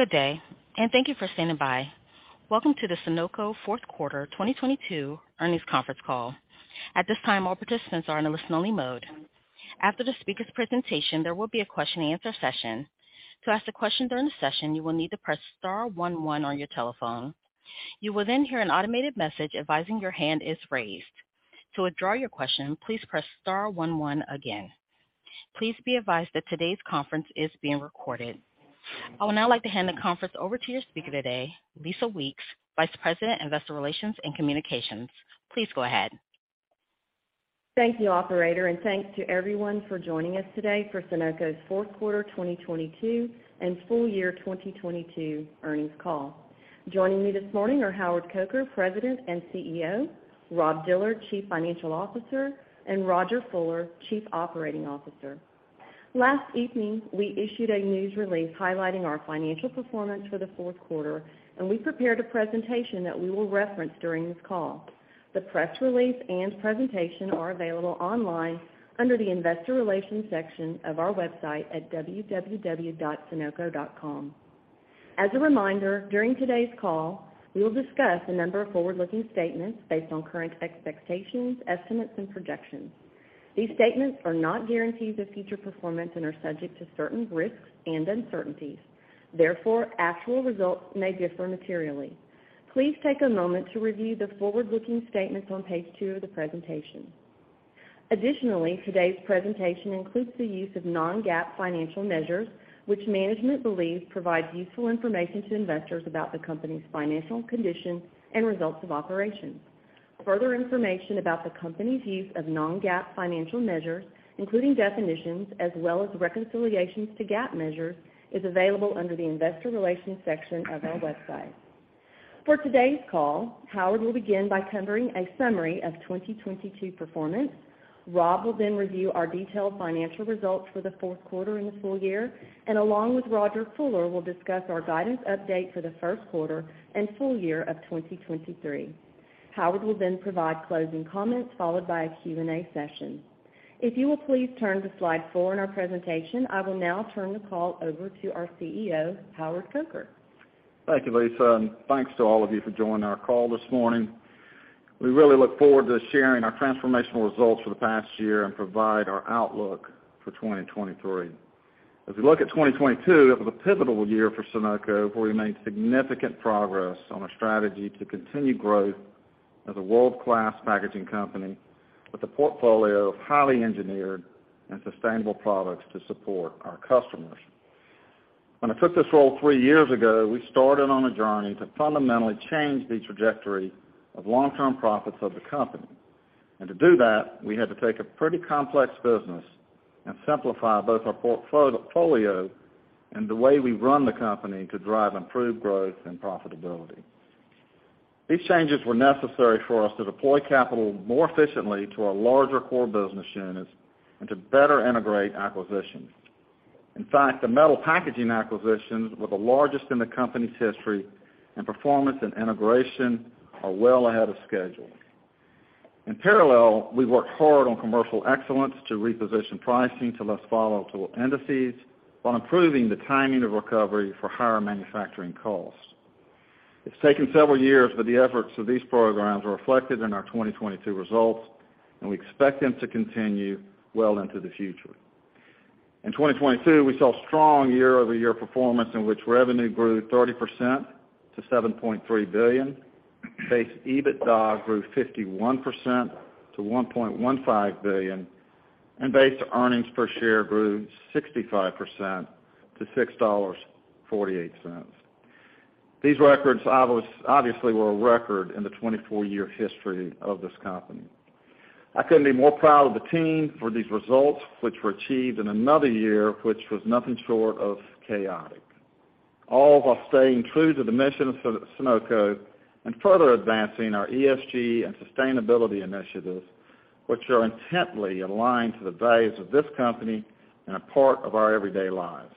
Good day, and thank you for standing by. Welcome to the Sonoco Fourth Quarter 2022 Earnings Conference Call. At this time, all participants are in a listen-only mode. After the speaker's presentation, there will be a question-and-answer session. To ask a question during the session, you will need to press star one one on your telephone. You will then hear an automated message advising your hand is raised. To withdraw your question, please press star one one again. Please be advised that today's conference is being recorded. I would now like to hand the conference over to your speaker today Lisa Weeks, Vice President, Investor Relations and Communications. Please go ahead. Thank you, Operator, and thanks to everyone for joining us today for Sonoco's fourth quarter 2022 and full year 2022 earnings call. Joining me this morning are Howard Coker, President and CEO; Rob Dillard, Chief Financial Officer; and Rodger Fuller, Chief Operating Officer. Last evening, we issued a news release highlighting our financial performance for the fourth quarter, and we prepared a presentation that we will reference during this call. The press release and presentation are available online under the Investor Relations section of our website at www.sonoco.com. As a reminder, during today's call, we will discuss a number of forward-looking statements based on current expectations, estimates, and projections. These statements are not guarantees of future performance and are subject to certain risks and uncertainties. Therefore, actual results may differ materially. Please take a moment to review the forward-looking statements on page two of the presentation. Additionally, today's presentation includes the use of non-GAAP financial measures, which management believes provides useful information to investors about the company's financial condition and results of operations. Further information about the company's use of non-GAAP financial measures, including definitions, as well as reconciliations to GAAP measures, is available under the Investor Relations section of our website. For today's call, Howard will begin by covering a summary of 2022 performance. Rob will review our detailed financial results for the 4th quarter and the full year, along with Rodger Fuller, will discuss our guidance update for the 1st quarter and full year of 2023. Howard will provide closing comments, followed by a Q&A session. If you will please turn to slide four in our presentation, I will now turn the call over to our CEO, Howard Coker. Thank you, Lisa, and thanks to all of you for joining our call this morning. We really look forward to sharing our transformational results for the past year and provide our outlook for 2023. As we look at 2022, it was a pivotal year for Sonoco, where we made significant progress on a strategy to continue growth as a world-class packaging company with a portfolio of highly engineered and sustainable products to support our customers. When I took this role threeyears ago, we started on a journey to fundamentally change the trajectory of long-term profits of the company. To do that, we had to take a pretty complex business and simplify both our portfolio and the way we run the company to drive improved growth and profitability. These changes were necessary for us to deploy capital more efficiently to our larger core business units and to better integrate acquisitions. In fact, the metal packaging acquisitions were the largest in the company's history, and performance and integration are well ahead of schedule. In parallel, we worked hard on commercial excellence to reposition pricing to less volatile indices while improving the timing of recovery for higher manufacturing costs. It's taken several years, but the efforts of these programs are reflected in our 2022 results, and we expect them to continue well into the future. In 2022, we saw strong year-over-year performance, in which revenue grew 30% to $7.3 billion. Base EBITDA grew 51% to $1.15 billion, and base earnings per share grew 65% to $6.48. These records obviously were a record in the 24-year history of this company. I couldn't be more proud of the team for these results, which were achieved in another year, which was nothing short of chaotic. All while staying true to the mission of Sonoco and further advancing our ESG and sustainability initiatives, which are intently aligned to the values of this company and a part of our everyday lives.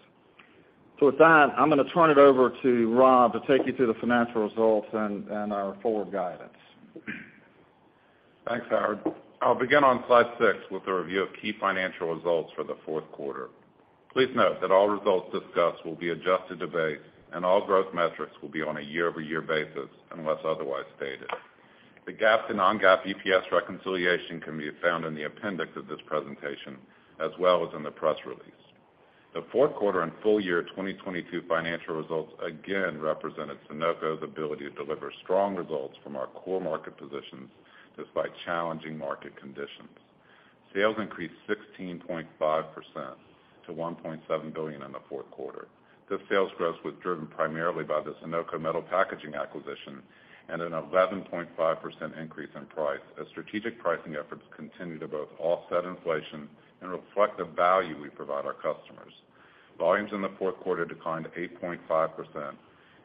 With that, I'm gonna turn it over to Rob to take you through the financial results and our forward guidance. Thanks, Howard. I'll begin on slide six with a review of key financial results for the fourth quarter. Please note that all results discussed will be adjusted to base, and all growth metrics will be on a year-over-year basis unless otherwise stated. The GAAP to non-GAAP EPS reconciliation can be found in the appendix of this presentation as well as in the press release. The fourth quarter and full year 2022 financial results again represented Sonoco's ability to deliver strong results from our core market positions despite challenging market conditions. Sales increased 16.5% to $1.7 billion in the fourth quarter. The sales growth was driven primarily by the Sonoco Metal Packaging acquisition and an 11.5% increase in price as strategic pricing efforts continue to both offset inflation and reflect the value we provide our customers. Volumes in the fourth quarter declined 8.5%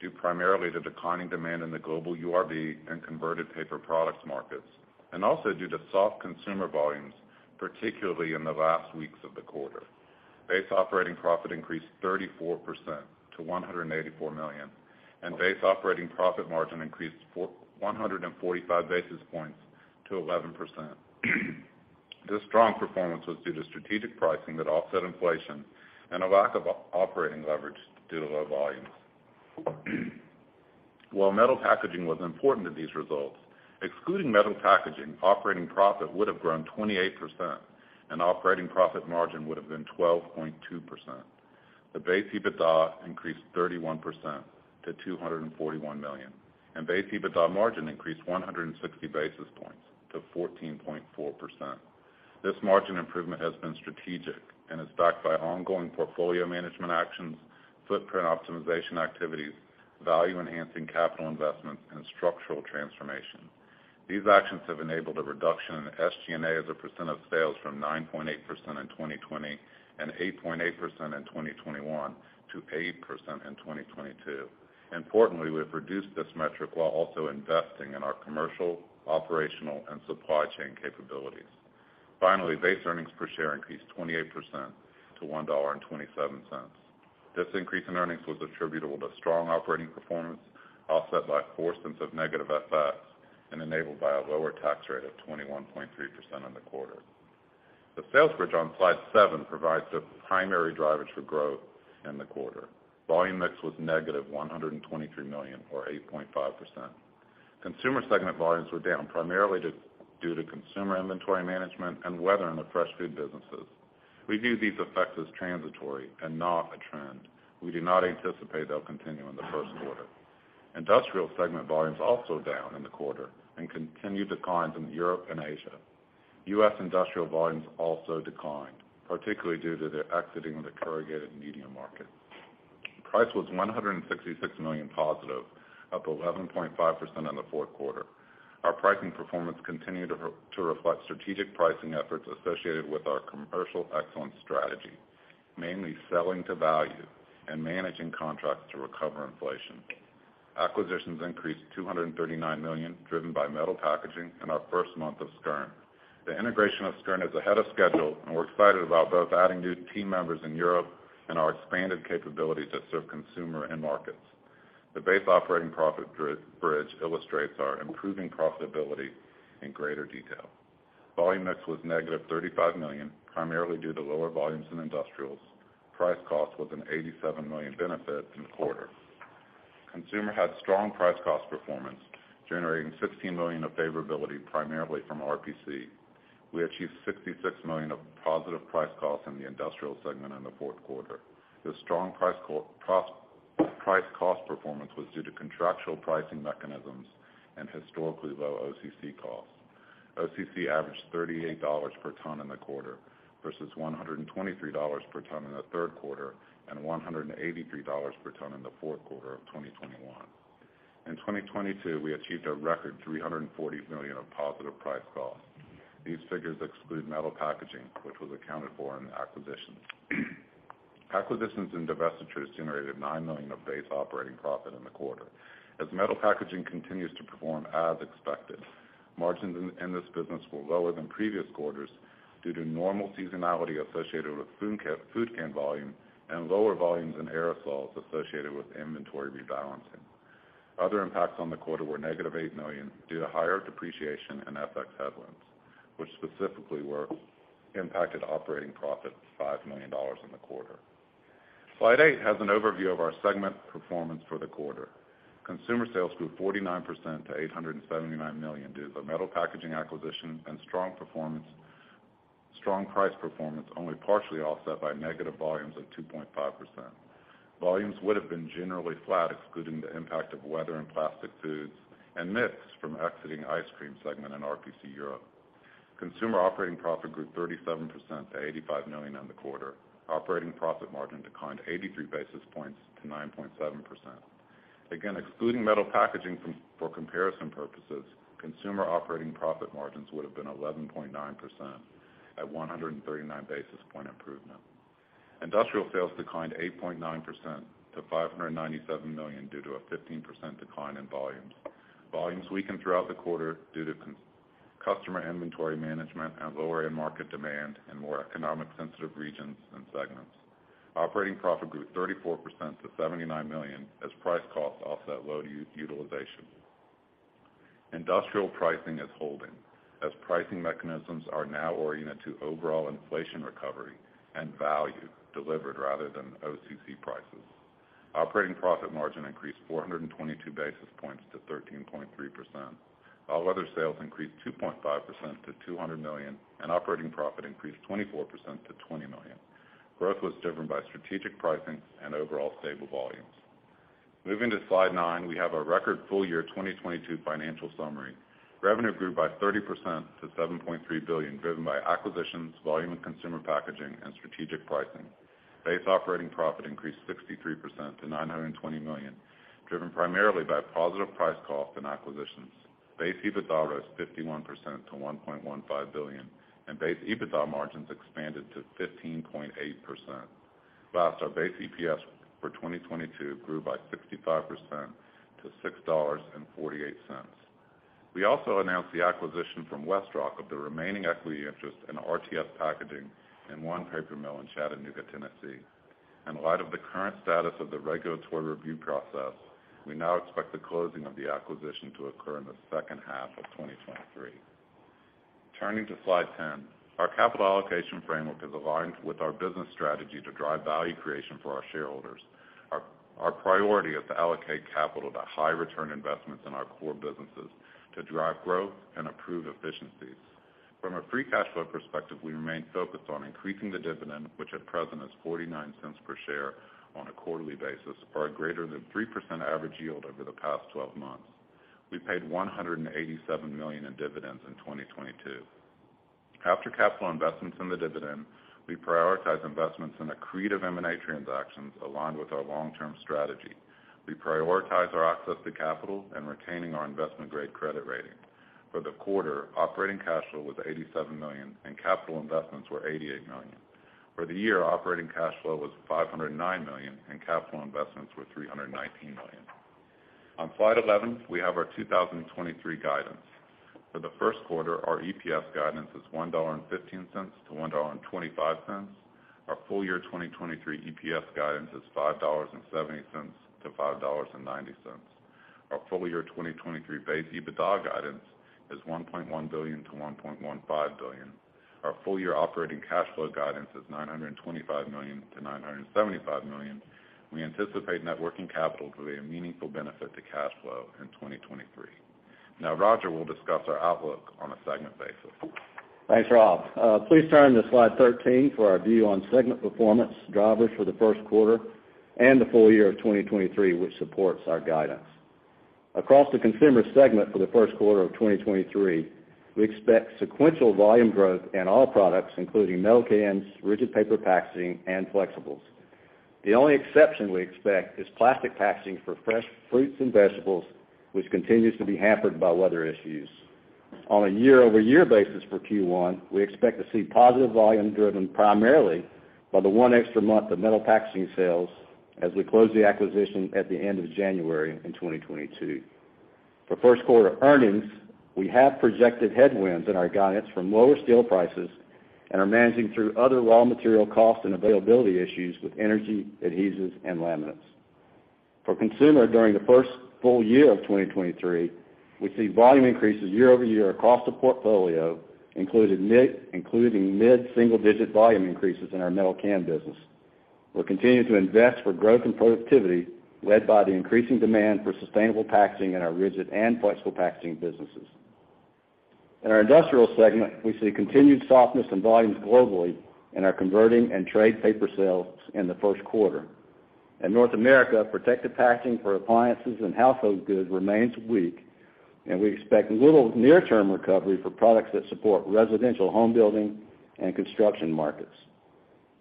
due primarily to declining demand in the global URB and converted paper products markets and also due to soft consumer volumes, particularly in the last weeks of the quarter. Base operating profit increased 34% to $184 million, and base operating profit margin increased 145 basis points to 11%. This strong performance was due to strategic pricing that offset inflation and a lack of operating leverage due to low volumes. While metal packaging was important to these results, excluding metal packaging, operating profit would have grown 28% and operating profit margin would have been 12.2%. The base EBITDA increased 31% to $241 million, and base EBITDA margin increased 160 basis points to 14.4%. This margin improvement has been strategic and is backed by ongoing portfolio management actions, footprint optimization activities, value-enhancing capital investments, and structural transformation. These actions have enabled a reduction in SG&A as a % of sales from 9.8% in 2020 and 8.8% in 2021 to 8% in 2022. Importantly, we have reduced this metric while also investing in our commercial, operational, and supply chain capabilities. Finally, base earnings per share increased 28% to $1.27. This increase in earnings was attributable to strong operating performance, offset by $0.04 of negative FX and enabled by a lower tax rate of 21.3% in the quarter. The sales bridge on slide 7 provides the primary drivers for growth in the quarter. Volume mix was negative $123 million or 8.5%. Consumer segment volumes were down primarily due to consumer inventory management and weather in the fresh food businesses. We view these effects as transitory and not a trend. We do not anticipate they will continue in the first quarter. Industrial segment volumes also down in the quarter and continued declines in Europe and Asia. U.S. industrial volumes also declined, particularly due to their exiting of the corrugated medium market. Price was $166 million positive, up 11.5% on the fourth quarter. Our pricing performance continued to reflect strategic pricing efforts associated with our commercial excellence strategy, mainly selling to value and managing contracts to recover inflation. Acquisitions increased $239 million, driven by metal packaging and our first month of Skjern. The integration of Skjern is ahead of schedule, and we're excited about both adding new team members in Europe and our expanded capabilities that serve consumer end markets. The base operating profit bridge illustrates our improving profitability in greater detail. Volume mix was negative $35 million, primarily due to lower volumes in industrials. Price cost was an $87 million benefit in the quarter. Consumer had strong price cost performance, generating $16 million of favorability, primarily from RPC. We achieved $66 million of positive price cost in the industrial segment in the fourth quarter. The strong price-cost performance was due to contractual pricing mechanisms and historically low OCC costs. OCC averaged $38 per ton in the quarter versus $123 per ton in the third quarter and $183 per ton in the fourth quarter of 2021. In 2022, we achieved a record $340 million of positive price cost. These figures exclude Metal Packaging, which was accounted for in the acquisitions. Acquisitions and divestitures generated $9 million of base operating profit in the quarter. As Metal Packaging continues to perform as expected, margins in this business were lower than previous quarters due to normal seasonality associated with food can volume and lower volumes in aerosols associated with inventory rebalancing. Other impacts on the quarter were -$8 million due to higher depreciation and FX headwinds, which specifically impacted operating profit $5 million in the quarter. Slide eight has an overview of our segment performance for the quarter. Consumer sales grew 49% to $879 million due to a metal packaging acquisition and strong price performance, only partially offset by negative volumes of 2.5%. Volumes would have been generally flat, excluding the impact of weather and plastic foods and mix from exiting ice cream segment in RPC Europe. Consumer operating profit grew 37% to $85 million in the quarter. Operating profit margin declined 83 basis points to 9.7%. Excluding metal packaging for comparison purposes, consumer operating profit margins would have been 11.9% at 139 basis point improvement. Industrial sales declined 8.9% to $597 million due to a 15% decline in volumes. Volumes weakened throughout the quarter due to customer inventory management and lower end market demand in more economic sensitive regions and segments. Operating profit grew 34% to $79 million as price cost offset low utilization. Industrial pricing is holding as pricing mechanisms are now oriented to overall inflation recovery and value delivered rather than OCC prices. Operating profit margin increased 422 basis points to 13.3%. All other sales increased 2.5% to $200 million, and operating profit increased 24% to $20 million. Growth was driven by strategic pricing and overall stable volumes. Moving to Slide 9, we have our record full year 2022 financial summary. Revenue grew by 30% to $7.3 billion, driven by acquisitions, volume in consumer packaging, and strategic pricing. Base operating profit increased 63% to $920 million, driven primarily by positive price cost and acquisitions. Base EBITDA rose 51% to $1.15 billion, and base EBITDA margins expanded to 15.8%. Last, our base EPS for 2022 grew by 65% to $6.48. We also announced the acquisition from WestRock of the remaining equity interest in RTS Packaging and one paper mill in Chattanooga, Tennessee. In light of the current status of the regulatory review process, we now expect the closing of the acquisition to occur in the second half of 2023. Turning to Slide 10. Our capital allocation framework is aligned with our business strategy to drive value creation for our shareholders. Our priority is to allocate capital to high return investments in our core businesses to drive growth and improve efficiencies. From a free cash flow perspective, we remain focused on increasing the dividend, which at present is $0.49 per share on a quarterly basis, or a greater than 3% average yield over the past 12 months. We paid $187 million in dividends in 2022. After capital investments in the dividend, we prioritize investments in accretive M&A transactions aligned with our long-term strategy. We prioritize our access to capital and retaining our investment-grade credit rating. For the quarter, operating cash flow was $87 million, and capital investments were $88 million. For the year, operating cash flow was $509 million, and capital investments were $319 million. On Slide 11, we have our 2023 guidance. For the first quarter, our EPS guidance is $1.15-$1.25. Our full year 2023 EPS guidance is $5.70-$5.90. Our full year 2023 base EBITDA guidance is $1.1 billion-$1.15 billion. Our full year operating cash flow guidance is $925 million-$975 million. We anticipate net working capital to be a meaningful benefit to cash flow in 2023. Rodger will discuss our outlook on a segment basis. Thanks, Rob. Please turn to Slide 13 for our view on segment performance drivers for the first quarter and the full year of 2023, which supports our guidance. Across the consumer segment for the first quarter of 2023, we expect sequential volume growth in all products, including metal cans, rigid paper packaging, and flexibles. The only exception we expect is plastic packaging for fresh fruits and vegetables, which continues to be hampered by weather issues. On a year-over-year basis for Q1, we expect to see positive volume driven primarily by the one extra month of metal packaging sales as we close the acquisition at the end of January in 2022. For first quarter earnings, we have projected headwinds in our guidance from lower steel prices and are managing through other raw material costs and availability issues with energy, adhesives, and laminates. For consumer during the first full year of 2023, we see volume increases year-over-year across the portfolio, including mid-single-digit volume increases in our metal can business. We're continuing to invest for growth and productivity, led by the increasing demand for sustainable packaging in our rigid and flexible packaging businesses. In our industrial segment, we see continued softness in volumes globally in our converting and trade paper sales in the first quarter. In North America, protective packaging for appliances and household goods remains weak. We expect little near-term recovery for products that support residential home building and construction markets.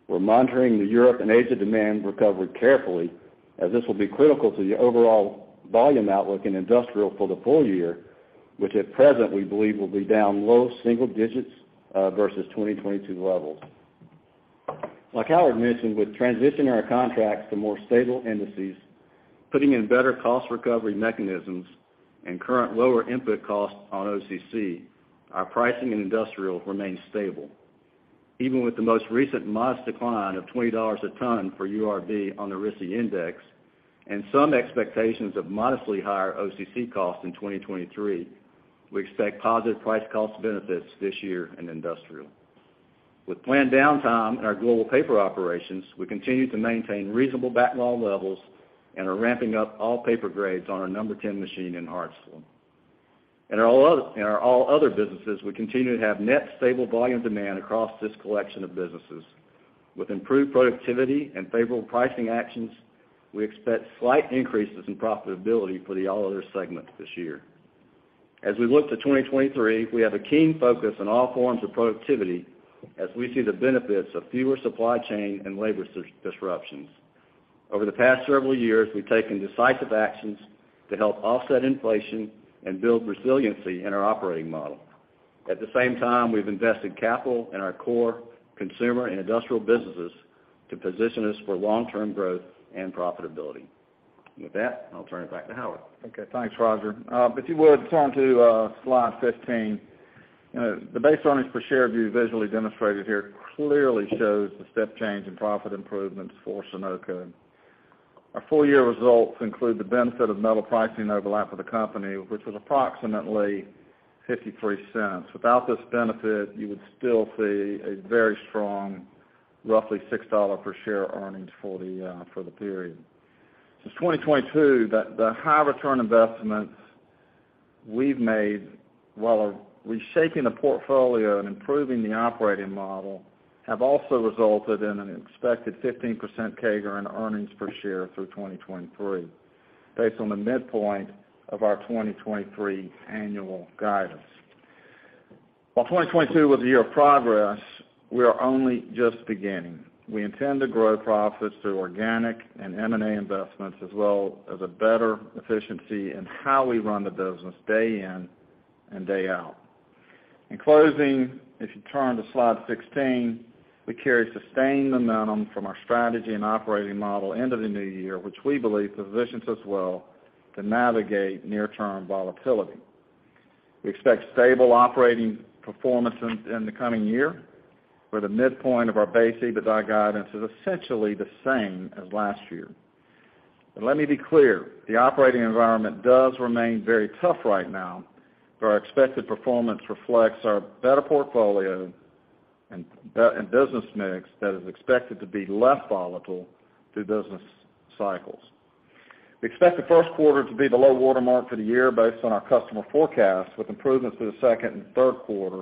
We're monitoring the Europe and Asia demand recovery carefully, as this will be critical to the overall volume outlook in industrial for the full year, which at present, we believe, will be down low single digits versus 2022 levels. Like Howard mentioned, with transitioning our contracts to more stable indices, putting in better cost recovery mechanisms, and current lower input costs on OCC, our pricing in industrial remains stable. Even with the most recent modest decline of $20 a ton for URB on the RISI index and some expectations of modestly higher OCC costs in 2023, we expect positive price cost benefits this year in industrial. With planned downtime in our global paper operations, we continue to maintain reasonable backlog levels and are ramping up all paper grades on our No. 10 machine in Hartsville. In our all other businesses, we continue to have net stable volume demand across this collection of businesses. With improved productivity and favorable pricing actions, we expect slight increases in profitability for the all other segment this year. As we look to 2023, we have a keen focus on all forms of productivity as we see the benefits of fewer supply chain and labor disruptions. Over the past several years, we've taken decisive actions to help offset inflation and build resiliency in our operating model. The same time, we've invested capital in our core consumer and industrial businesses to position us for long-term growth and profitability. With that, I'll turn it back to Howard. Okay. Thanks, Rodger. If you would turn to slide 15. You know, the base earnings per share view visually demonstrated here clearly shows the step change in profit improvements for Sonoco. Our full year results include the benefit of metal pricing overlap of the company, which was approximately $0.53. Without this benefit, you would still see a very strong, roughly $6 per share earnings for the period. Since 2022, the high return investments we've made while reshaping the portfolio and improving the operating model have also resulted in an expected 15% CAGR in earnings per share through 2023, based on the midpoint of our 2023 annual guidance. 2022 was a year of progress, we are only just beginning. We intend to grow profits through organic and M&A investments, as well as a better efficiency in how we run the business day in and day out. In closing, if you turn to slide 16, we carry sustained momentum from our strategy and operating model into the new year, which we believe positions us well to navigate near-term volatility. We expect stable operating performance in the coming year, where the midpoint of our base EBITDA guidance is essentially the same as last year. Let me be clear, the operating environment does remain very tough right now, our expected performance reflects our better portfolio and business mix that is expected to be less volatile through business cycles. We expect the first quarter to be the low water mark for the year based on our customer forecast, with improvements to the second and third quarter,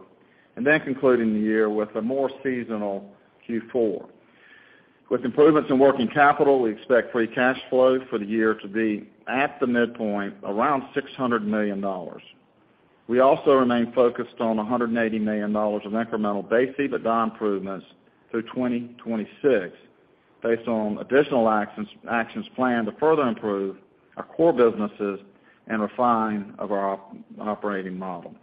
concluding the year with a more seasonal Q4. With improvements in working capital, we expect free cash flow for the year to be at the midpoint, around $600 million. We also remain focused on $180 million of incremental base EBITDA improvements through 2026 based on additional actions planned to further improve our core businesses and refine of our operating model.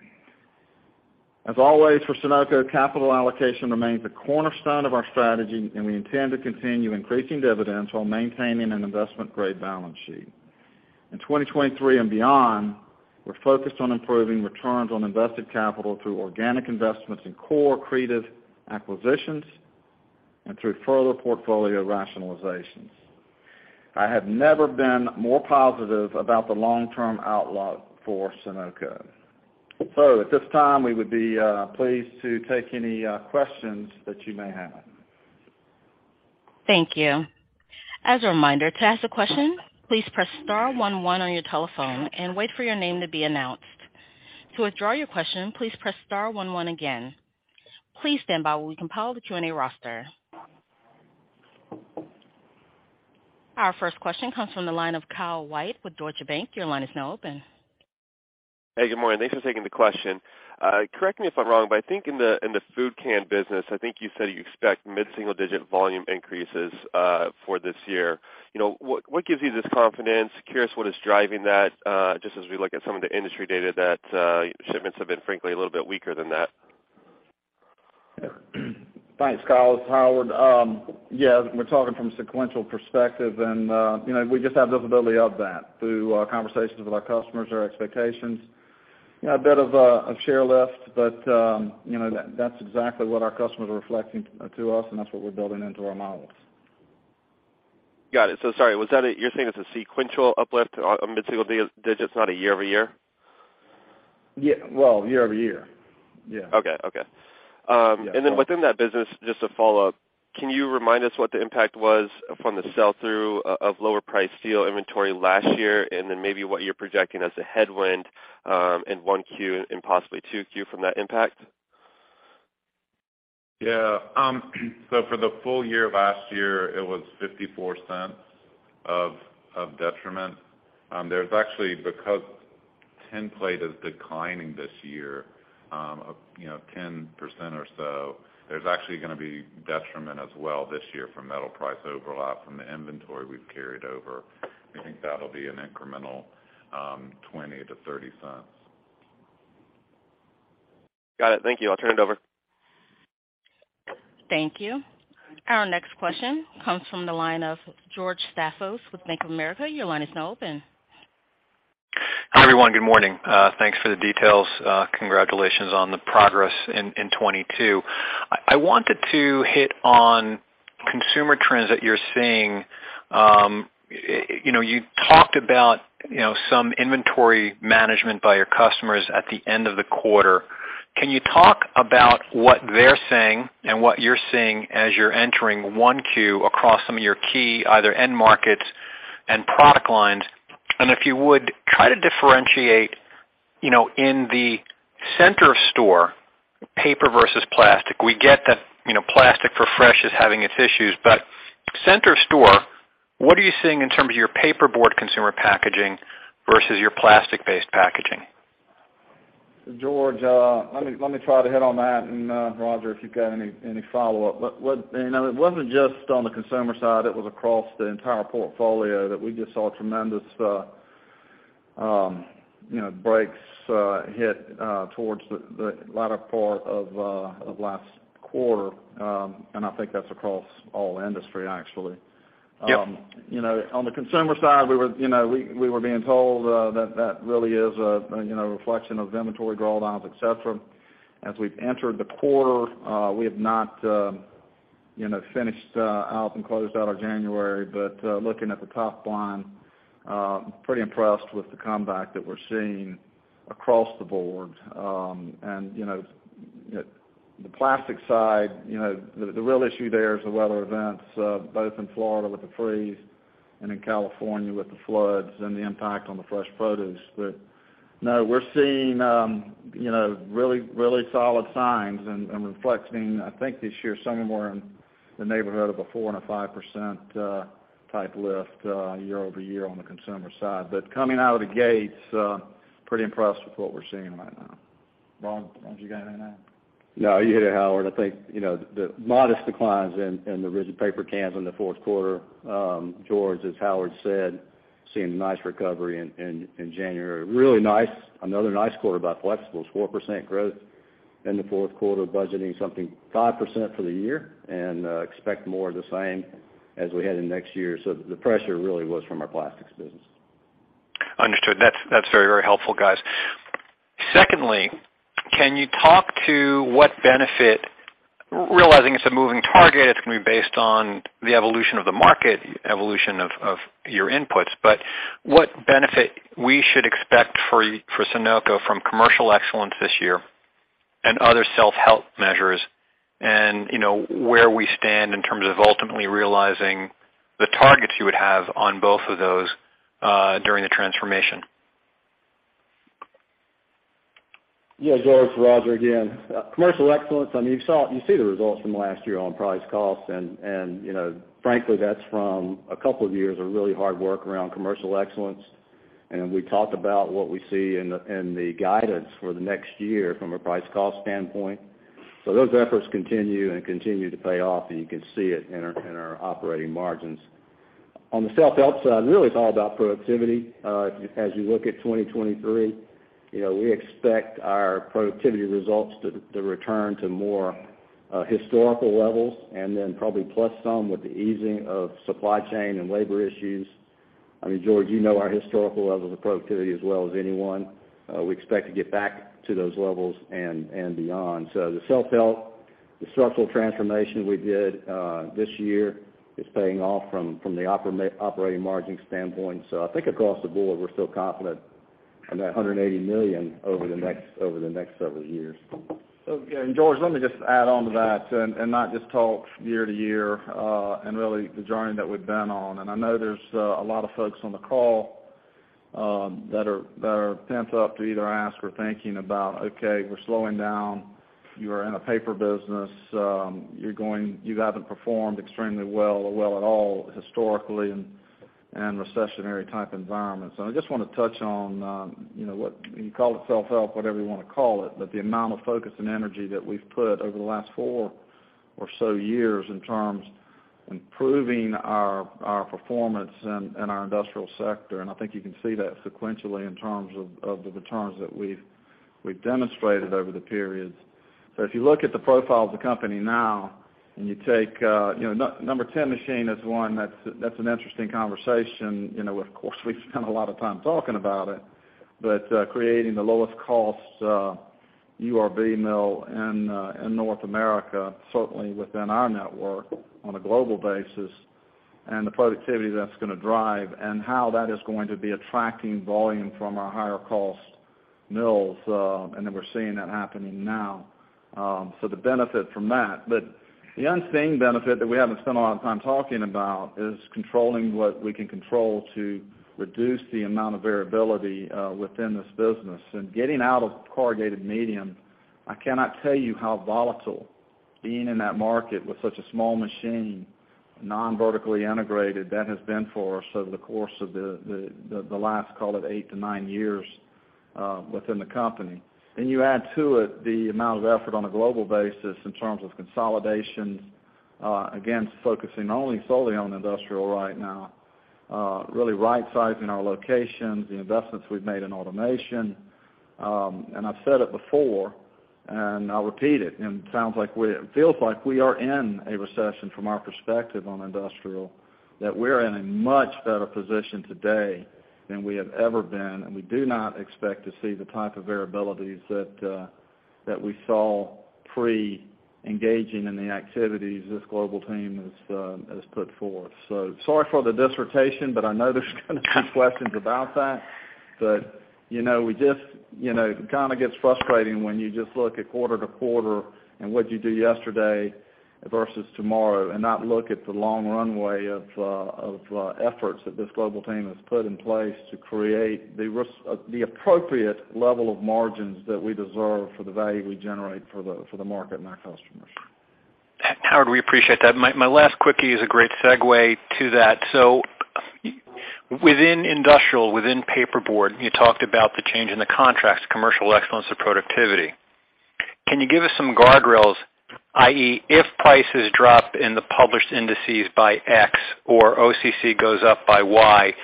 As always, for Sonoco, capital allocation remains a cornerstone of our strategy, and we intend to continue increasing dividends while maintaining an investment-grade balance sheet. In 2023 and beyond, we're focused on improving returns on invested capital through organic investments in core accretive acquisitions and through further portfolio rationalizations. I have never been more positive about the long-term outlook for Sonoco. At this time, we would be pleased to take any questions that you may have. Thank you. As a reminder, to ask a question, please press star one one on your telephone and wait for your name to be announced. To withdraw your question, please press star one one again. Please stand by while we compile the Q&A roster. Our first question comes from the line of Kyle White with Deutsche Bank. Your line is now open. Hey, good morning. Thanks for taking the question. Correct me if I'm wrong, but I think in the, in the food can business, I think you said you expect mid-single digit volume increases for this year. You know, what gives you this confidence? Curious what is driving that, just as we look at some of the industry data that shipments have been frankly a little bit weaker than that. Thanks, Kyle. It's Howard. Yeah, we're talking from a sequential perspective, and, you know, we just have visibility of that through conversations with our customers, their expectations. You know, a bit of share lift, but, you know, that's exactly what our customers are reflecting to us, and that's what we're building into our models. Got it. sorry, was that you're saying it's a sequential uplift on mid-single digits, not a year-over-year? Well, year over year. Yeah. Okay. Okay. Within that business, just to follow up, can you remind us what the impact was from the sell-through of lower priced steel inventory last year, and then maybe what you're projecting as a headwind in 1Q and possibly 2Q from that impact? Yeah. For the full year last year, it was $0.54 of detriment. There's actually, because tin plate is declining this year, you know, 10% or so, there's actually gonna be detriment as well this year from metal price overlap from the inventory we've carried over. We think that'll be an incremental $0.20-$0.30. Got it. Thank you. I'll turn it over. Thank you. Our next question comes from the line of George Staphos with Bank of America. Your line is now open. Hi, everyone. Good morning. Thanks for the details. Congratulations on the progress in 2022. I wanted to hit on consumer trends that you're seeing. You know, you talked about, you know, some inventory management by your customers at the end of the quarter. Can you talk about what they're seeing and what you're seeing as you're entering 1Q across some of your key, either end markets and product lines? If you would, try to differentiate, you know, in the center store, paper versus plastic. We get that, you know, plastic for fresh is having its issues, but center store, what are you seeing in terms of your paper board consumer packaging versus your plastic-based packaging? George, let me try to hit on that, and Rodger, if you've got any follow-up. What, you know, it wasn't just on the consumer side, it was across the entire portfolio that we just saw tremendous, you know, breaks, hit, towards the latter part of last quarter. I think that's across all industry, actually. Yep. You know, on the consumer side, we were, you know, we were being told that that really is a, you know, a reflection of inventory drawdowns, et cetera. As we've entered the quarter, we have not, you know, finished out and closed out our January. Looking at the top line, pretty impressed with the comeback that we're seeing across the board. You know, the plastic side, you know, the real issue there is the weather events, both in Florida with the freeze and in California with the floods and the impact on the fresh produce. No, we're seeing, you know, really, really solid signs and reflecting, I think this year somewhere in the neighborhood of a 4%-5% type lift year-over-year on the consumer side. Coming out of the gates, pretty impressed with what we're seeing right now. Rodger, you got anything to add? No, you hit it, Howard. I think, you know, the modest declines in the rigid paper cans in the fourth quarter, George, as Howard said, seeing a nice recovery in January. Really nice, another nice quarter by flexibles, 4% growth in the fourth quarter, budgeting something 5% for the year and expect more of the same as we head into next year. The pressure really was from our plastics business. Understood. That's very, very helpful, guys. Secondly, can you talk to what benefit, realizing it's a moving target, it's gonna be based on the evolution of the market, evolution of your inputs, but what benefit we should expect for Sonoco from commercial excellence this year and other self-help measures and, you know, where we stand in terms of ultimately realizing the targets you would have on both of those during the transformation? George, Roger again. Commercial excellence, I mean, you saw it, you see the results from last year on price cost and, you know, frankly, that's from a couple of years of really hard work around commercial excellence. We talked about what we see in the guidance for the next year from a price cost standpoint. Those efforts continue and continue to pay off, and you can see it in our operating margins. On the self-help side, really it's all about productivity. As you look at 2023, you know, we expect our productivity results to return to more historical levels and then probably plus some with the easing of supply chain and labor issues. I mean, George, you know our historical levels of productivity as well as anyone. We expect to get back to those levels and beyond. The self-help, the structural transformation we did this year is paying off from the operating margin standpoint. I think across the board, we're still confident in that $180 million over the next, over the next several years. Again, George, let me just add on to that and not just talk year-to-year and really the journey that we've been on. I know there's a lot of folks on the call that are pent up to either ask or thinking about, okay, we're slowing down. You are in a paper business, you haven't performed extremely well or well at all historically in recessionary type environments. I just wanna touch on, you know, what, you call it self-help, whatever you wanna call it, but the amount of focus and energy that we've put over the last four or so years in terms improving our performance in our industrial sector. I think you can see that sequentially in terms of the returns that we've demonstrated over the periods. If you look at the profile of the company now, and you take, you know, No. 10 machine is one that's an interesting conversation. You know, of course, we've spent a lot of time talking about it, but creating the lowest cost, URB mill in North America, certainly within our network on a global basis, and the productivity that's gonna drive and how that is going to be attracting volume from our higher cost mills, and then we're seeing that happening now, so the benefit from that. The unseen benefit that we haven't spent a lot of time talking about is controlling what we can control to reduce the amount of variability, within this business. Getting out of corrugated medium, I cannot tell you how volatile being in that market with such a small machine, non-vertically integrated, that has been for us over the course of the last, call it 8-9 years within the company. You add to it the amount of effort on a global basis in terms of consolidations, again, focusing only solely on industrial right now, really right sizing our locations, the investments we've made in automation. I've said it before, and I'll repeat it, and it sounds like it feels like we are in a recession from our perspective on industrial, that we're in a much better position today than we have ever been, and we do not expect to see the type of variabilities that we saw pre-engaging in the activities this global team has put forth. Sorry for the dissertation, but I know there's gonna be questions about that. You know, we just, you know, it kinda gets frustrating when you just look at quarter to quarter and what you do yesterday versus tomorrow and not look at the long runway of efforts that this global team has put in place to create the appropriate level of margins that we deserve for the value we generate for the market and our customers. Howard, we appreciate that. My last quickie is a great segue to that. Within industrial, within paperboard, you talked about the change in the contracts, commercial excellence and productivity. Can you give us some guardrails, i.e., if prices drop in the published indices by X or OCC goes up by Y,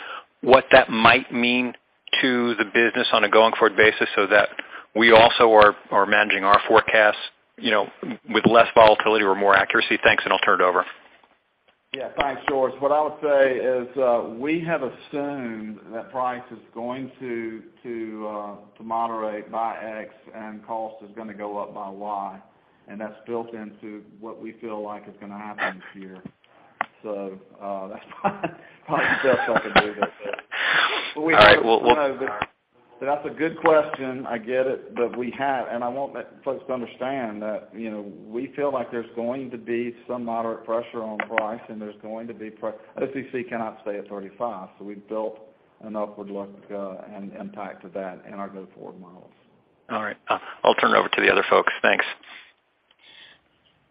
what that might mean to the business on a going forward basis so that we also are managing our forecasts, you know, with less volatility or more accuracy? Thanks, I'll turn it over. Yeah. Thanks, George. What I would say is, we have assumed that price is going to moderate by X and cost is gonna go up by Y, and that's built into what we feel like is gonna happen this year. That's probably the best I can do there. All right. Well, That's a good question. I get it. We have, and I want folks to understand that, you know, we feel like there's going to be some moderate pressure on price, and there's going to be OCC cannot stay at $35, so we've built an upward look and impact to that in our go forward models. All right. I'll turn it over to the other folks. Thanks.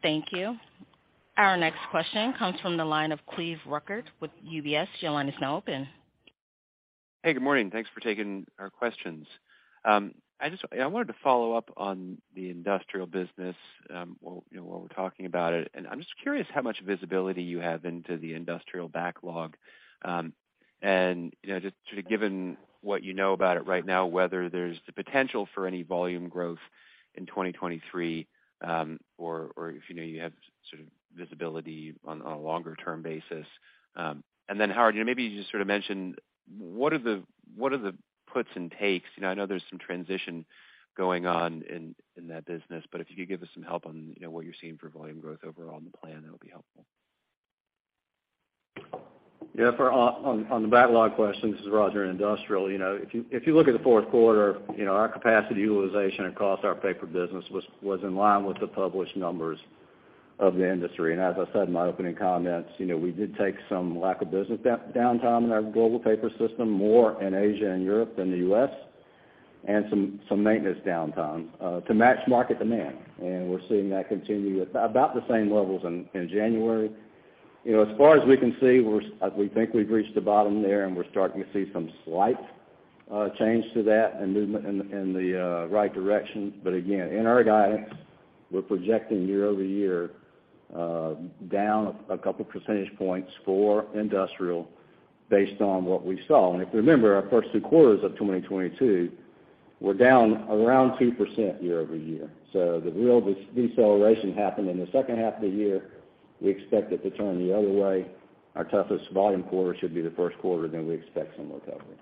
Thank you. Our next question comes from the line of Cleve Rueckert with UBS. Your line is now open. Hey, good morning. Thanks for taking our questions. I wanted to follow up on the industrial business, while, you know, while we're talking about it. I'm just curious how much visibility you have into the industrial backlog, you know, just sort of given what you know about it right now, whether there's the potential for any volume growth in 2023, or if you know you have sort of visibility on a longer-term basis. Howard, you know, maybe you just sort of mentioned what are the, what are the puts and takes? You know, I know there's some transition going on in that business, but if you could give us some help on, you know, what you're seeing for volume growth overall on the plan, that would be helpful. Yeah, on the backlog question, this is Roger in Industrial. You know, if you look at the fourth quarter, you know, our capacity utilization across our paper business was in line with the published numbers of the industry. As I said in my opening comments, you know, we did take some lack of business downtime in our global paper system, more in Asia and Europe than the U.S., and some maintenance downtime to match market demand. We're seeing that continue at about the same levels in January. You know, as far as we can see, we think we've reached the bottom there, and we're starting to see some slight change to that and movement in the right direction. Again, in our guidance, we're projecting year-over-year down a couple percentage points for Industrial based on what we saw. If you remember, our first two quarters of 2022 were down around 2% year-over-year. The real deceleration happened in the second half of the year. We expect it to turn the other way. Our toughest volume quarter should be the first quarter. We expect some recovery.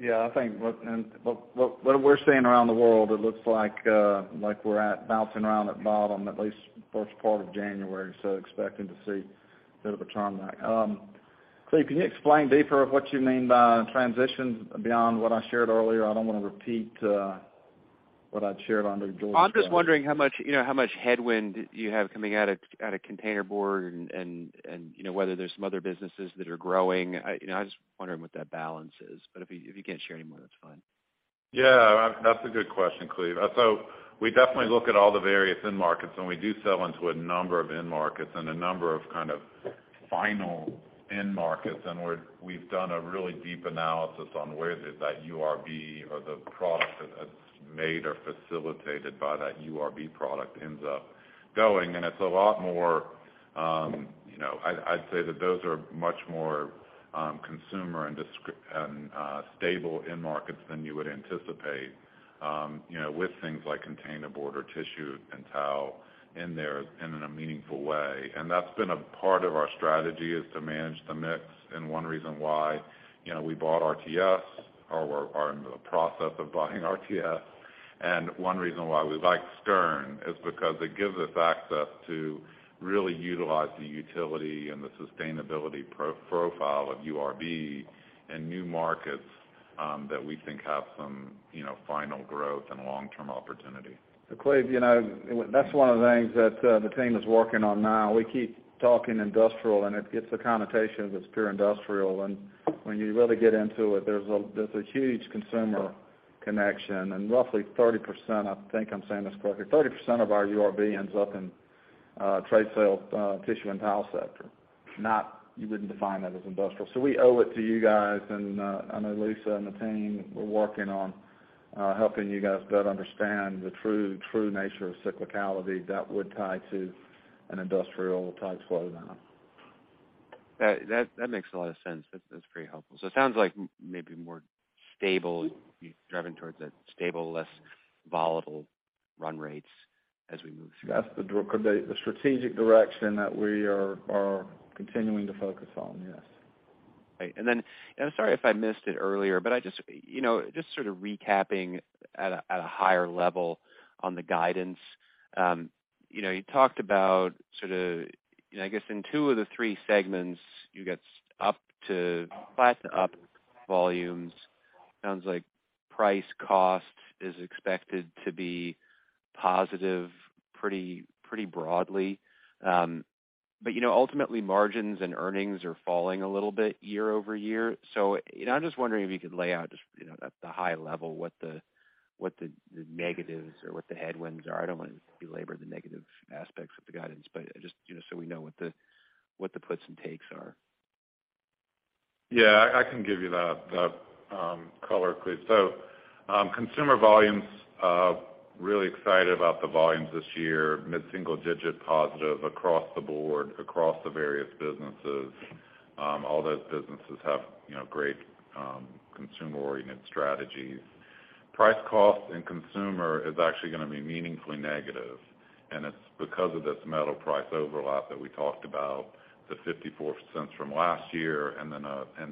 Yeah, I think what we're seeing around the world, it looks like we're at bouncing around at bottom, at least the first part of January, expecting to see a bit of a turn back. Cleve Rueckert, can you explain deeper what you mean by transitions beyond what I shared earlier? I don't wanna repeat what I'd shared under George Staphos's guidance. I'm just wondering how much, you know, how much headwind you have coming out of, out of containerboard and, you know, whether there's some other businesses that are growing. I, you know, I'm just wondering what that balance is. If you, if you can't share any more, that's fine. Yeah. That's a good question, Cleve. We definitely look at all the various end markets, and we do sell into a number of end markets and a number of kind of final end markets. We've done a really deep analysis on where that URB or the product that's made or facilitated by that URB product ends up going. It's a lot more, you know, I'd say that those are much more consumer and stable end markets than you would anticipate, you know, with things like containerboard or tissue and towel in there in a meaningful way. That's been a part of our strategy is to manage the mix, and one reason why, you know, we bought RTS, or we are in the process of buying RTS, and one reason why we like Skjern is because it gives us access to really utilize the utility and the sustainability profile of URB in new markets, that we think have some, you know, final growth and long-term opportunity. Cleve, you know, that's one of the things that the team is working on now. We keep talking Industrial, it gets a connotation that it's pure Industrial. When you really get into it, there's a huge consumer connection. Roughly 30%, I think I'm saying this correctly, 30% of our URB ends up in trade sales, tissue and towel sector. You wouldn't define that as Industrial. We owe it to you guys, and I know Lisa and the team were working on helping you guys better understand the true nature of cyclicality that would tie to an Industrial type slowdown. That makes a lot of sense. That's pretty helpful. It sounds like maybe more stable, you're driving towards a stable, less volatile run rates as we move through. That's the strategic direction that we are continuing to focus on, yes. Right. I'm sorry if I missed it earlier, but I just, you know, just sort of recapping at a higher level on the guidance. You know, you talked about sort of, you know, I guess in 2 of the three segments, flat to up volumes. Sounds like price cost is expected to be positive pretty broadly. You know, ultimately margins and earnings are falling a little bit year-over-year. You know, I'm just wondering if you could lay out just, you know, at the high level what the negatives or what the headwinds are. I don't want to belabor the negative aspects of the guidance, but just, you know, so we know what the puts and takes are. Yeah. I can give you that color, Cleve. Consumer volumes, really excited about the volumes this year, mid-single digit positive across the board, across the various businesses. All those businesses have, you know, great consumer-oriented strategies. Price cost in consumer is actually gonna be meaningfully negative, and it's because of this metal price overlap that we talked about, the $0.54 from last year and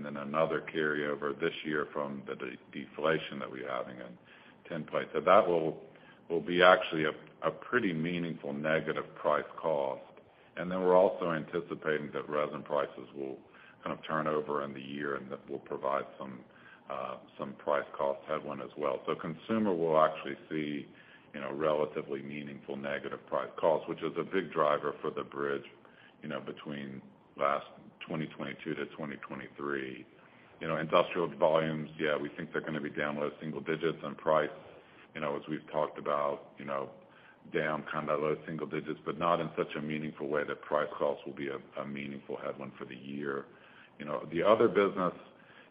then another carryover this year from the de-deflation that we're having in tin plate. That will be actually a pretty meaningful negative price cost. We're also anticipating that resin prices will kind of turn over in the year, and that will provide some price cost headwind as well. Consumer will actually see, you know, relatively meaningful negative price cost, which is a big driver for the bridge, you know, between last 2022 to 2023. You know, Industrial volumes, yeah, we think they're gonna be down low single digits. Price, you know, as we've talked about, you know, down kind of that low single digits, but not in such a meaningful way that price cost will be a meaningful headwind for the year. You know, the other business,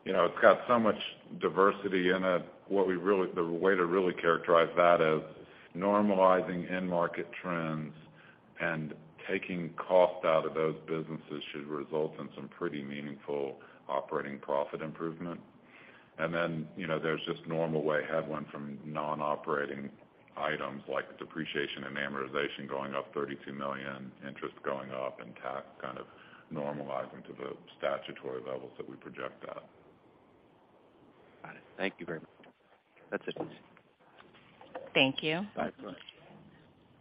you know, it's got so much diversity in it, the way to really characterize that is normalizing end market trends. Taking cost out of those businesses should result in some pretty meaningful operating profit improvement. Then, you know, there's just normal way headwind from non-operating items like depreciation and amortization going up $32 million, interest going up and tax kind of normalizing to the statutory levels that we project at. Got it. Thank you very much. That's it. Thank you. Bye-bye.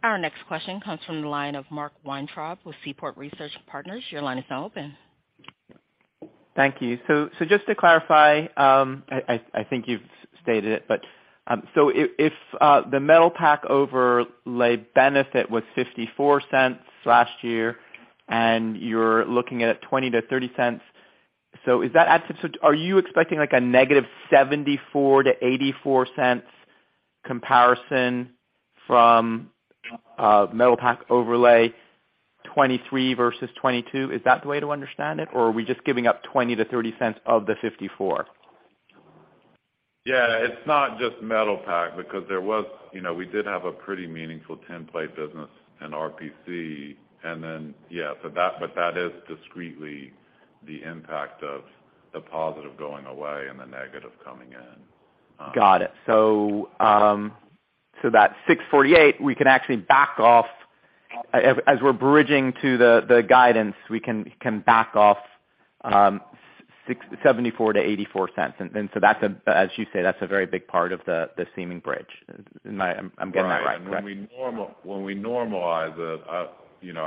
Our next question comes from the line of Mark Weintraub with Seaport Research Partners. Your line is now open. Thank you. Just to clarify, I think you've stated it, but, if the metal pack overlay benefit was $0.54 last year, and you're looking at $0.20-$0.30, are you expecting like a negative -$0.74 to $0.84 comparison from metal pack overlay 2023 versus 2022? Is that the way to understand it? Are we just giving up $0.20-$0.30 of the $0.54? Yeah, it's not just Metal Pack because there was, you know, we did have a pretty meaningful tin plate business in RPC. Yeah, but that is discreetly the impact of the positive going away and the negative coming in. Got it. That $6.48, we can actually back off. As we're bridging to the guidance, we can back off $0.74-$0.84. That's a, as you say, that's a very big part of the seeming bridge. I'm getting that right, correct? Right. When we normalize it, I, you know,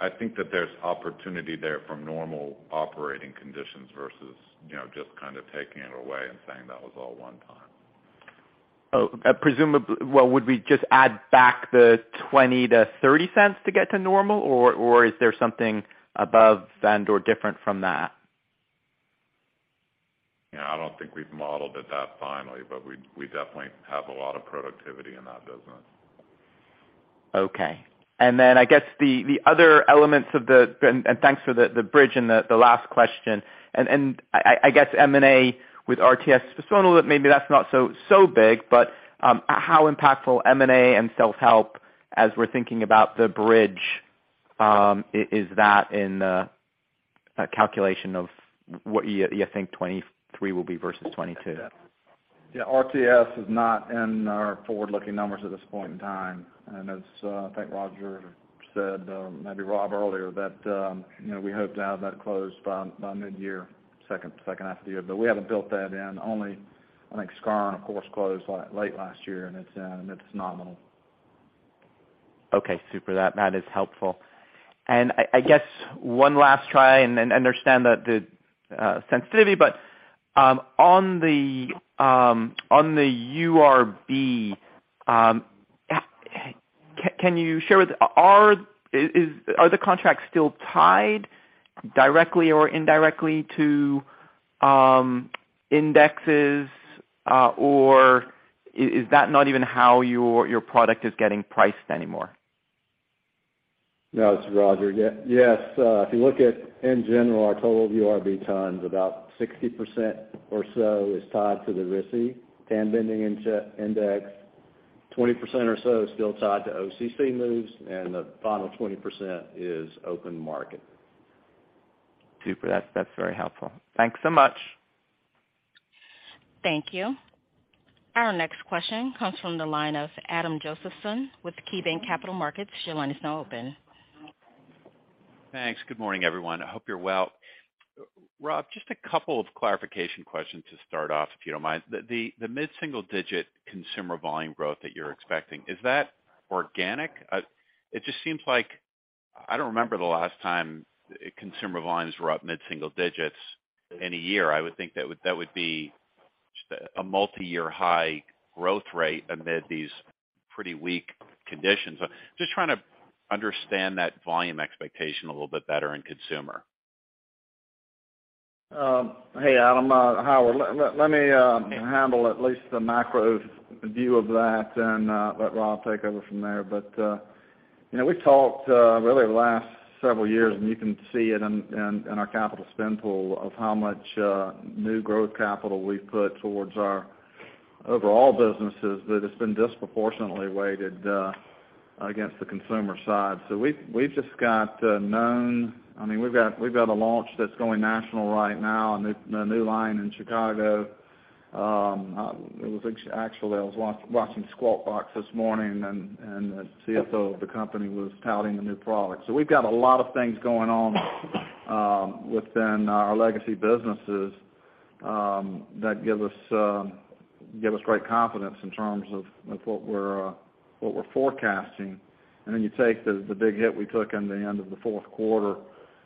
I think that there's opportunity there from normal operating conditions versus, you know, just kind of taking it away and saying that was all one time. Well, would we just add back the $0.20-$0.30 to get to normal? Or, is there something above and/or different from that? I don't think we've modeled it that finely, but we definitely have a lot of productivity in that business. Okay. I guess the other elements of the. Thanks for the bridge in the last question. I guess M&A with RTS was told that maybe that's not so big, but how impactful M&A and self-help as we're thinking about the bridge is that in the calculation of what you think 2023 will be versus 2022? Yeah. RTS is not in our forward-looking numbers at this point in time. As, I think Rodger said, maybe Rob earlier, that, you know, we hope to have that closed by mid-year, second half of the year. We haven't built that in. Only, I think Skjern, of course, closed late last year, and it's nominal. Okay. Super. That is helpful. I guess one last try and understand the sensitivity, but on the URB, can you share with Are the contracts still tied directly or indirectly to indexes? Is that not even how your product is getting priced anymore? No, it's Rodger. Yes. Yes. If you look at, in general, our total URB tons, about 60% or so is tied to the RISI tin bending index. 20% or so is still tied to OCC moves. The final 20% is open market. Super. That's very helpful. Thanks so much. Thank you. Our next question comes from the line of Adam Josephson with KeyBanc Capital Markets. Your line is now open. Thanks. Good morning, everyone. I hope you're well. Rob, just a couple of clarification questions to start off, if you don't mind. The mid-single digit consumer volume growth that you're expecting, is that organic? It just seems like I don't remember the last time consumer volumes were up mid-single digits in a year. I would think that would be a multi-year high growth rate amid these pretty weak conditions. Just trying to understand that volume expectation a little bit better in consumer. Hey, Adam. Howard, let me handle at least the macro view of that and let Rob take over from there. You know, we've talked really the last several years, and you can see it in our capital spend pool of how much new growth capital we've put towards our overall businesses that has been disproportionately weighted against the consumer side. We've just got known. I mean, we've got a launch that's going national right now and a new line in Chicago. It was actually, I was watching Squawk Box this morning and the CFO of the company was touting the new product. We've got a lot of things going on within our legacy businesses that give us great confidence in terms of what we're forecasting. You take the big hit we took in the end of the fourth quarter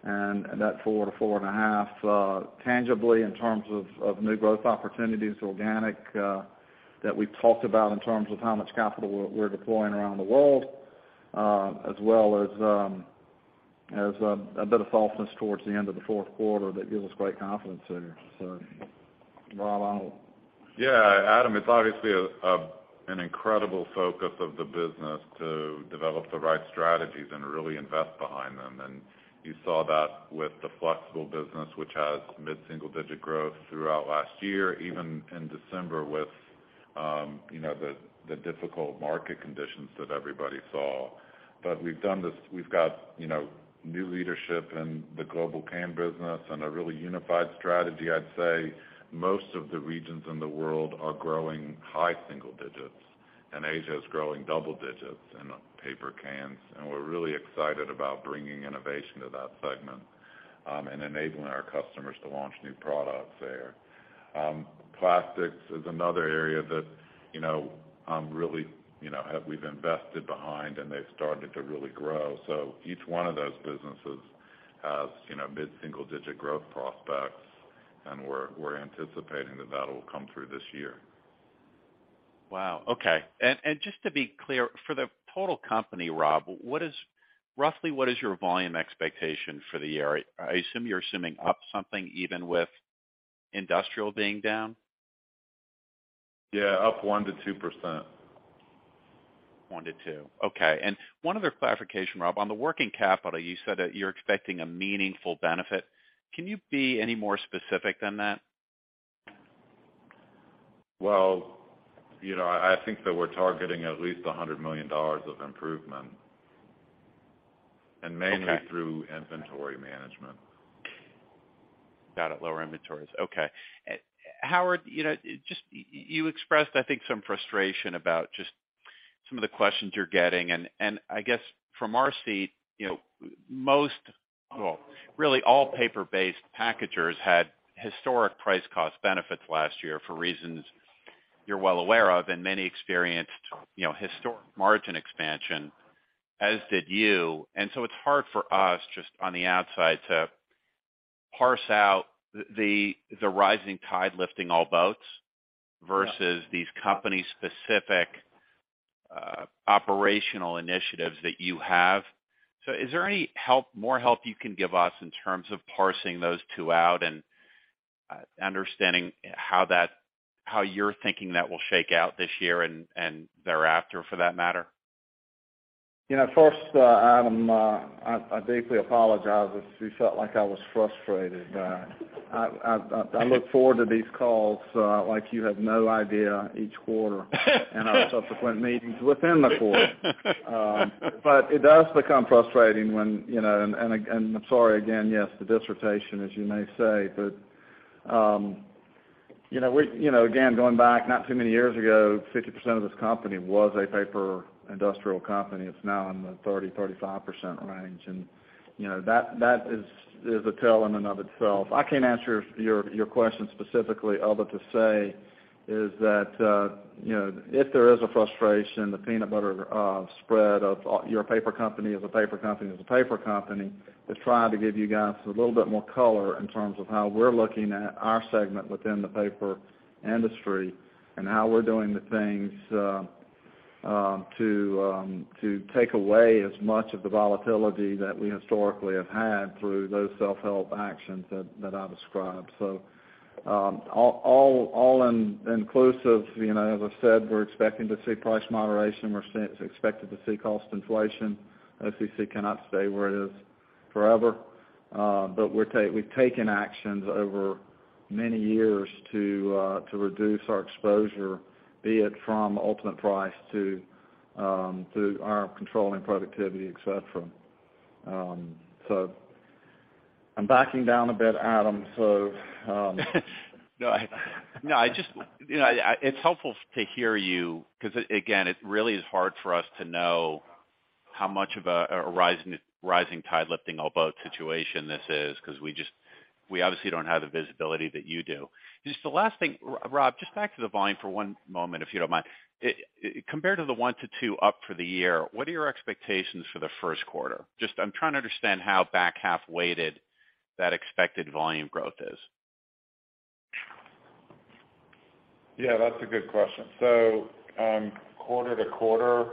and that 4%-4.5% tangibly in terms of new growth opportunities, organic, that we've talked about in terms of how much capital we're deploying around the world, as well as a bit of falseness towards the end of the fourth quarter that gives us great confidence there. Rob, I don't know. Yeah. Adam, it's obviously an incredible focus of the business to develop the right strategies and really invest behind them. You saw that with the flexible business, which has mid-single digit growth throughout last year, even in December with, you know, the difficult market conditions that everybody saw. We've done this. We've got, you know, new leadership in the global can business and a really unified strategy. I'd say most of the regions in the world are growing high single digits, and Asia is growing double digits in paper cans. We're really excited about bringing innovation to that segment, and enabling our customers to launch new products there. Plastics is another area that, you know, I'm really, you know, we've invested behind, and they've started to really grow. Each one of those businesses has, you know, mid-single digit growth prospects, and we're anticipating that will come through this year. Wow, okay. Just to be clear, for the total company, Rob, what is roughly, what is your volume expectation for the year? I assume you're assuming up something, even with industrial being down. Yeah, up 1%-2%. One to two, okay. One other clarification, Rob. On the working capital, you said that you're expecting a meaningful benefit. Can you be any more specific than that? Well, you know, I think that we're targeting at least $100 million of improvement. Okay. Mainly through inventory management. Got it. Lower inventories. Okay. Howard, you know, just you expressed, I think, some frustration about just some of the questions you're getting. I guess from our seat, you know, most, well, really all paper-based packagers had historic price cost benefits last year for reasons you're well aware of. Many experienced, you know, historic margin expansion, as did you. It's hard for us just on the outside to parse out the rising tide lifting all boats versus these company-specific operational initiatives that you have. Is there more help you can give us in terms of parsing those two out and understanding how you're thinking that will shake out this year and thereafter for that matter? You know, first, Adam, I deeply apologize if you felt like I was frustrated. I, I look forward to these calls, like you have no idea each quarter and our subsequent meetings within the quarter. It does become frustrating when, you know... I'm sorry again, yes, the dissertation, as you may say. You know, we, you know, again, going back not too many years ago, 60% of this company was a paper industrial company. It's now in the 30%-35% range. You know, that is a tell in and of itself. I can't answer your question specifically other to say is that, you know, if there is a frustration, the peanut butter spread of your paper company is a paper company is a paper company is trying to give you guys a little bit more color in terms of how we're looking at our segment within the paper industry and how we're doing the things to take away as much of the volatility that we historically have had through those self-help actions that I described. All-inclusive, you know, as I said, we're expecting to see price moderation. We're expecting to see cost inflation. OCC cannot stay where it is forever. We've taken actions over many years to reduce our exposure, be it from ultimate price to our controlling productivity, et cetera. I'm backing down a bit, Adam. No, I just, you know, it's helpful to hear you because again, it really is hard for us to know how much of a rising tide lifting all boats situation this is because we obviously don't have the visibility that you do. Just the last thing, Rob, just back to the volume for one moment, if you don't mind. It, compared to the 1%-2% up for the year, what are your expectations for the first quarter? Just I'm trying to understand how back half weighted that expected volume growth is. Yeah, that's a good question. quarter-to-quarter,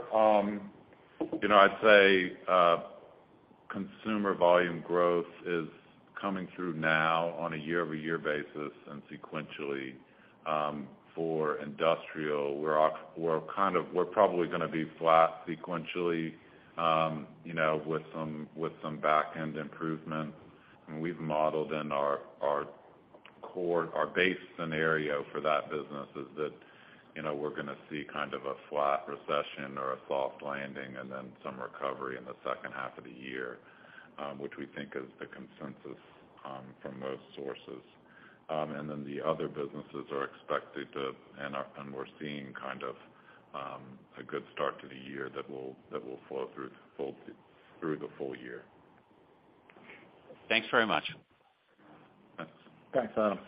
you know, I'd say consumer volume growth is coming through now on a year-over-year basis and sequentially. For industrial, we're probably gonna be flat sequentially, you know, with some, with some back-end improvements. We've modeled in our core, our base scenario for that business is that, you know, we're gonna see kind of a flat recession or a soft landing and then some recovery in the second half of the year, which we think is the consensus from most sources. The other businesses are expected to and are, and we're seeing kind of a good start to the year that will, that will flow through the full year. Thanks very much. Thanks. Thanks, Adam.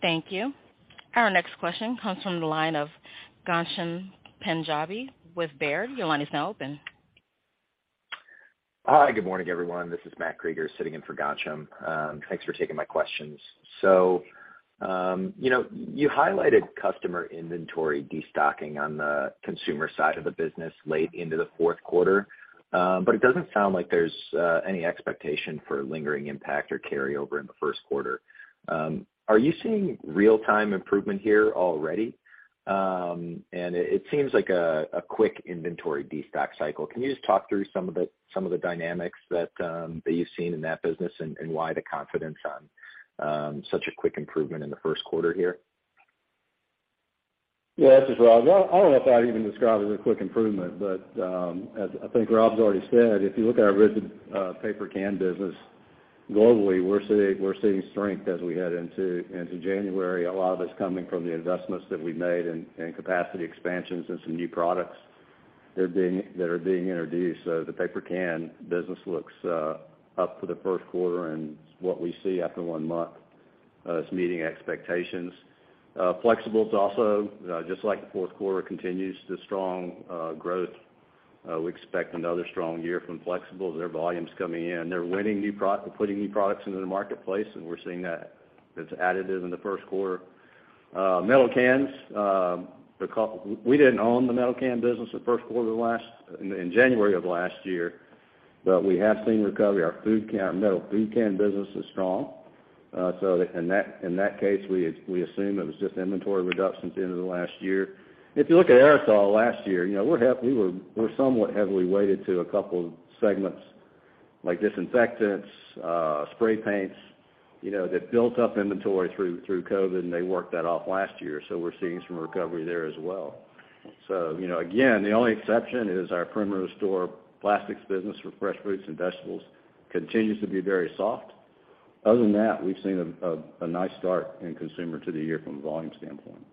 Thank you. Our next question comes from the line of Ghansham Panjabi with Baird. Your line is now open. Hi, good morning, everyone. This is Matt Krueger sitting in for Ghansham. Thanks for taking my questions. You know, you highlighted customer inventory destocking on the consumer side of the business late into the fourth quarter, but it doesn't sound like there's any expectation for lingering impact or carryover in the first quarter. Are you seeing real-time improvement here already? It seems like a quick inventory destock cycle. Can you just talk through some of the dynamics that you've seen in that business and why the confidence on such a quick improvement in the first quarter here? This is Rob. I don't know if I'd even describe it as a quick improvement, but as I think Rob's already said, if you look at our rigid paper can business globally, we're seeing strength as we head into January, a lot of it's coming from the investments that we made in capacity expansions and some new products that are being introduced. The paper can business looks up for the first quarter, and what we see after 1 month is meeting expectations. Flexible is also, just like the fourth quarter, continues the strong growth. We expect another strong year from flexible. Their volume's coming in. They're winning new. They're putting new products into the marketplace, and we're seeing that as additive in the first quarter. We didn't own the metal can business the first quarter in January of last year, but we have seen recovery. Our metal food can business is strong. In that case, we assume it was just inventory reductions the end of last year. If you look at aerosol last year, you know, we're somewhat heavily weighted to a couple segments, like disinfectants, spray paints, you know, that built up inventory through COVID, and they worked that off last year, so we're seeing some recovery there as well. Again, the only exception is our primary store plastics business for fresh fruits and vegetables continues to be very soft. Other than that, we've seen a nice start in consumer to the year from a volume standpoint.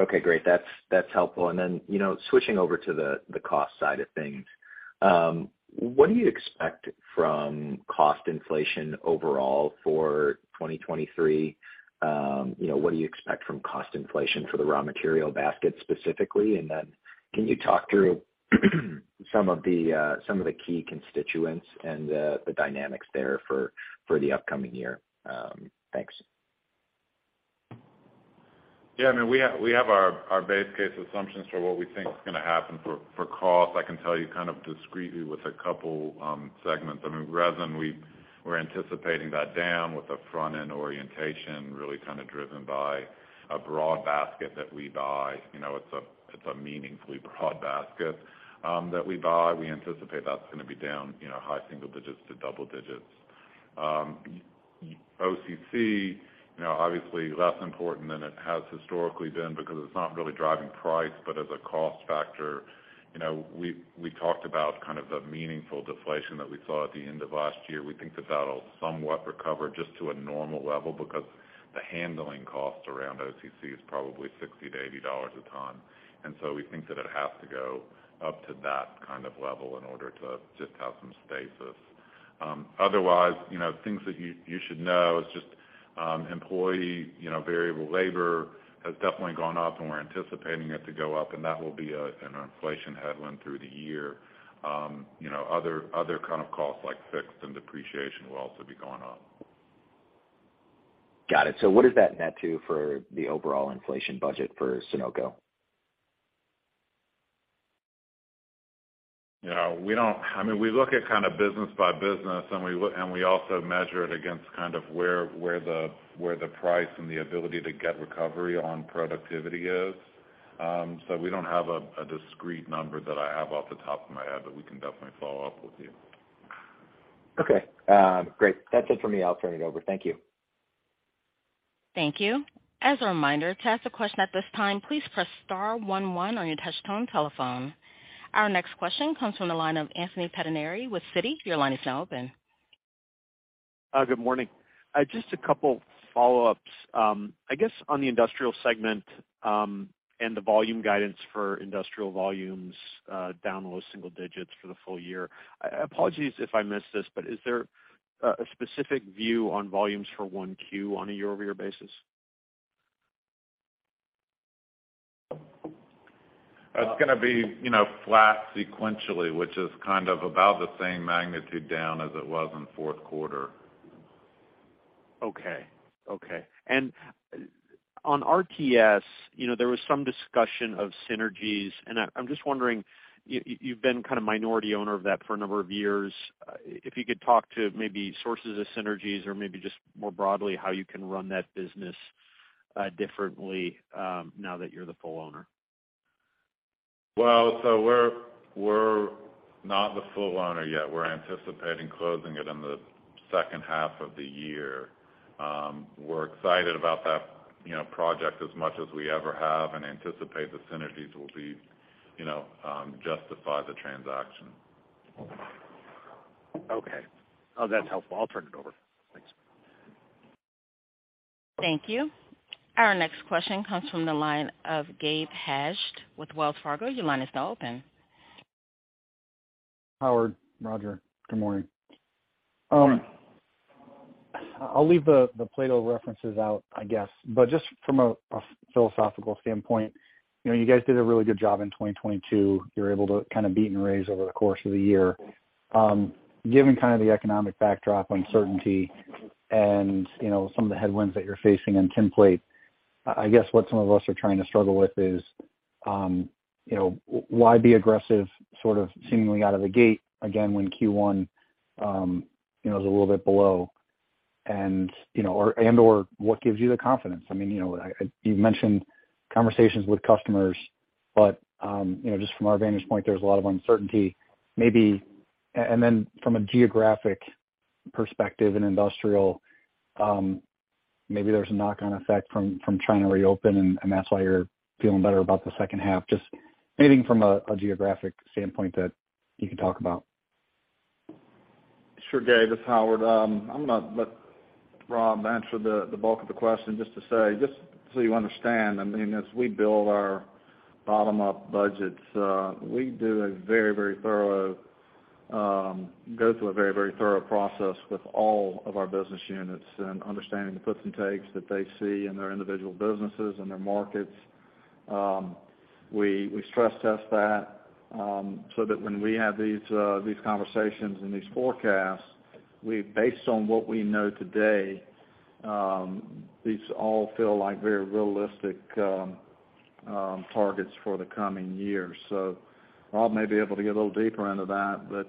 Okay, great. That's helpful. Then, you know, switching over to the cost side of things, what do you expect from cost inflation overall for 2023? You know, what do you expect from cost inflation for the raw material basket specifically? Then can you talk through some of the, some of the key constituents and the dynamics there for the upcoming year? Thanks. Yeah. I mean, we have our base case assumptions for what we think is gonna happen for cost. I can tell you kind of discreetly with a couple segments. I mean, resin, we're anticipating that down with a front-end orientation really kind of driven by a broad basket that we buy. You know, it's a, it's a meaningfully broad basket that we buy. We anticipate that's gonna be down, you know, high single digits to double digits. OCC, you know, obviously less important than it has historically been because it's not really driving price, but as a cost factor, you know, we've talked about kind of the meaningful deflation that we saw at the end of last year. We think that that'll somewhat recover just to a normal level because the handling cost around OCC is probably $60-$80 a tonne. We think that it has to go up to that kind of level in order to just have some stasis. Otherwise, you know, things that you should know is just, employee, you know, variable labor has definitely gone up, and we're anticipating it to go up, and that will be an inflation headwind through the year. You know, other kind of costs like fixed and depreciation will also be going up. Got it. What does that net to for the overall inflation budget for Sonoco? You know, we don't I mean, we look at kind of business by business, and we also measure it against kind of where the price and the ability to get recovery on productivity is. We don't have a discrete number that I have off the top of my head, but we can definitely follow up with you. Great. That's it for me. I'll turn it over. Thank you. Thank you. As a reminder, to ask a question at this time, please press star one one on your touchtone telephone. Our next question comes from the line of Anthony Pettinari with Citi. Your line is now open. Good morning. Just a couple follow-ups. I guess on the industrial segment, and the volume guidance for industrial volumes, down low single digits for the full year. Apologies if I missed this, but is there a specific view on volumes for 1Q on a year-over-year basis? It's gonna be, you know, flat sequentially, which is kind of about the same magnitude down as it was in fourth quarter. Okay. Okay. On RTS, you know, there was some discussion of synergies, I'm just wondering, you've been kind of minority owner of that for a number of years. If you could talk to maybe sources of synergies or maybe just more broadly, how you can run that business, differently, now that you're the full owner. Well, we're not the full owner yet. We're anticipating closing it in the second half of the year. We're excited about that, you know, project as much as we ever have and anticipate the synergies will be, you know, justify the transaction. Okay. Well, that's helpful. I'll turn it over. Thanks. Thank you. Our next question comes from the line of Gabe Hajde with Wells Fargo. Your line is now open. Howard, Roger, good morning. Good morning. I'll leave the Plato references out, I guess, but just from a philosophical standpoint, you know, you guys did a really good job in 2022. You were able to kind of beat and raise over the course of the year. Given kind of the economic backdrop, uncertainty and, you know, some of the headwinds that you're facing in tinplate, I guess what some of us are trying to struggle with is, you know, why be aggressive sort of seemingly out of the gate again when Q1, you know, is a little bit below? You know, or and/or what gives you the confidence? I mean, you know, you've mentioned conversations with customers, but, you know, just from our vantage point, there's a lot of uncertainty. Maybe then from a geographic perspective in industrial, maybe there's a knock-on effect from trying to reopen and that's why you're feeling better about the second half. Just anything from a geographic standpoint that you can talk about. Sure, Gabe, it's Howard. I'm gonna let Rob answer the bulk of the question just to say, just so you understand, I mean, as we build our bottom-up budgets, we do a very, very thorough, go through a very, very thorough process with all of our business units and understanding the puts and takes that they see in their individual businesses and their markets. We, we stress test that, so that when we have these conversations and these forecasts, based on what we know today, these all feel like very realistic targets for the coming years. Rob may be able to get a little deeper into that, but,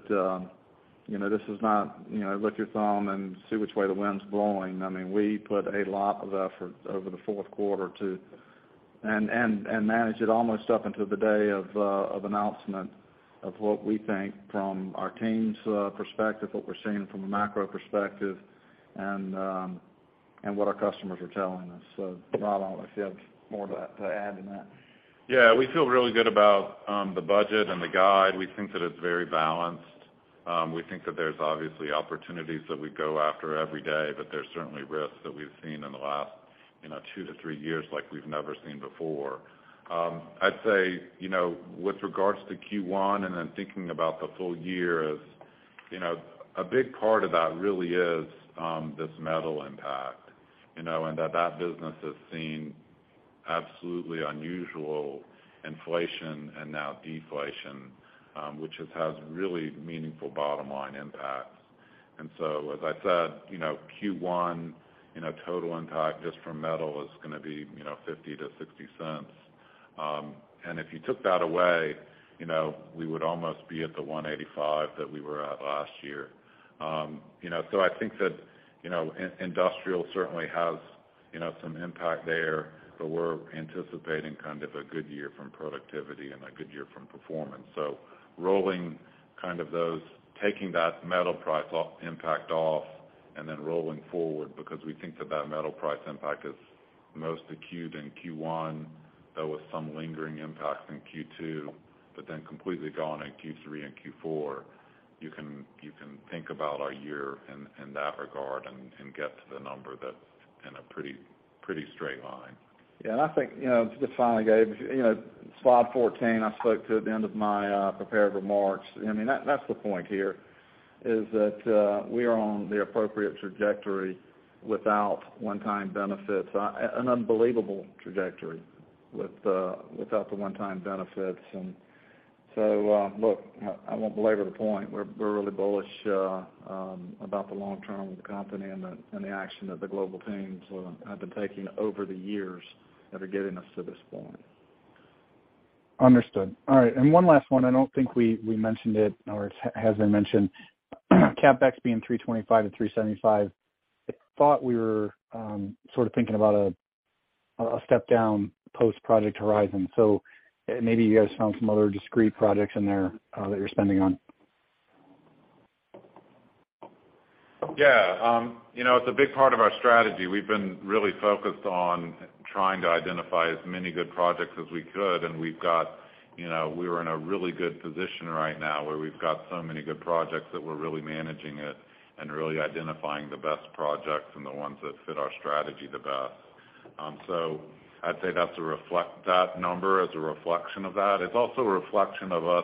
you know, this is not, you know, lick your thumb and see which way the wind's blowing. I mean, we put a lot of effort over the fourth quarter to. Manage it almost up until the day of announcement of what we think from our team's perspective, what we're seeing from a macro perspective, and what our customers are telling us. Rob, I don't know if you have more to add in that? Yeah, we feel really good about the budget and the guide. We think that it's very balanced. We think that there's obviously opportunities that we go after every day, but there's certainly risks that we've seen in the last, you know, 2-3 years like we've never seen before. I'd say, you know, with regards to Q1 and then thinking about the full year is, you know, a big part of that really is this Metal Packaging impact, you know, and that that business has seen absolutely unusual inflation and now deflation, which has really meaningful bottom line impacts. As I said, you know, Q1, you know, total impact just from Metal Packaging is gonna be, you know, $0.50-$0.60. If you took that away, you know, we would almost be at the 185 that we were at last year. You know, I think that, you know, industrial certainly has, you know, some impact there, but we're anticipating kind of a good year from productivity and a good year from performance. Rolling kind of those, taking that metal price impact off, and then rolling forward because we think that that metal price impact is most acute in Q1, though, with some lingering impacts in Q2, but then completely gone in Q3 and Q4. You can think about our year in that regard and get to the number that's in a pretty straight line. Yeah. I think, you know, just finally, Gabe, you know, slide 14, I spoke to at the end of my prepared remarks. I mean, that's the point here is that we are on the appropriate trajectory without one-time benefits. An unbelievable trajectory with, without the one-time benefits. Look, I won't belabor the point. We're, we're really bullish about the long term with the company and the, and the action that the global teams have been taking over the years that are getting us to this point. Understood. All right. One last one. I don't think we mentioned it or has been mentioned, CapEx being $325-$375. I thought we were sort of thinking about a step down post Project Horizon. Maybe you guys found some other discrete projects in there that you're spending on. You know, it's a big part of our strategy. We've been really focused on trying to identify as many good projects as we could, and we've got, you know, we are in a really good position right now where we've got so many good projects that we're really managing it and really identifying the best projects and the ones that fit our strategy the best. I'd say that's a reflection of that. It's also a reflection of us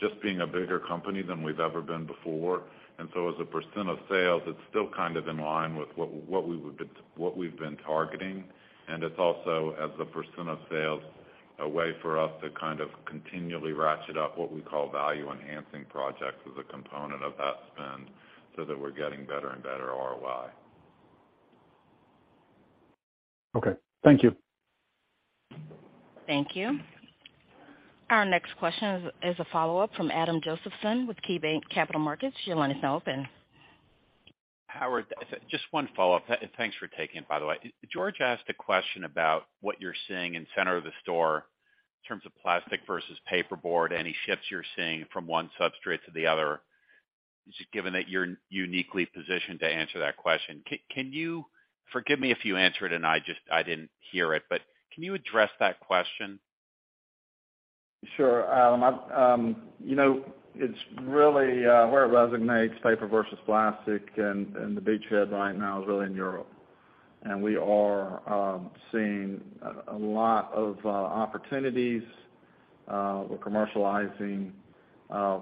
just being a bigger company than we've ever been before. As a percent of sales, it's still kind of in line with what we would, what we've been targeting. It's also, as a % of sales, a way for us to kind of continually ratchet up what we call value enhancing projects as a component of that spend so that we're getting better and better ROI. Okay. Thank you. Thank you. Our next question is a follow-up from Adam Josephson with KeyBanc Capital Markets. Your line is now open. Howard, just one follow-up. Thanks for taking it, by the way. George asked a question about what you're seeing in center of the store in terms of plastic versus paperboard, any shifts you're seeing from one substrate to the other. Just given that you're uniquely positioned to answer that question, can you, forgive me if you answered and I just, I didn't hear it, but can you address that question? Sure, Adam. You know, it's really where it resonates paper versus plastic and the beachhead right now is really in Europe. We are seeing a lot of opportunities with commercializing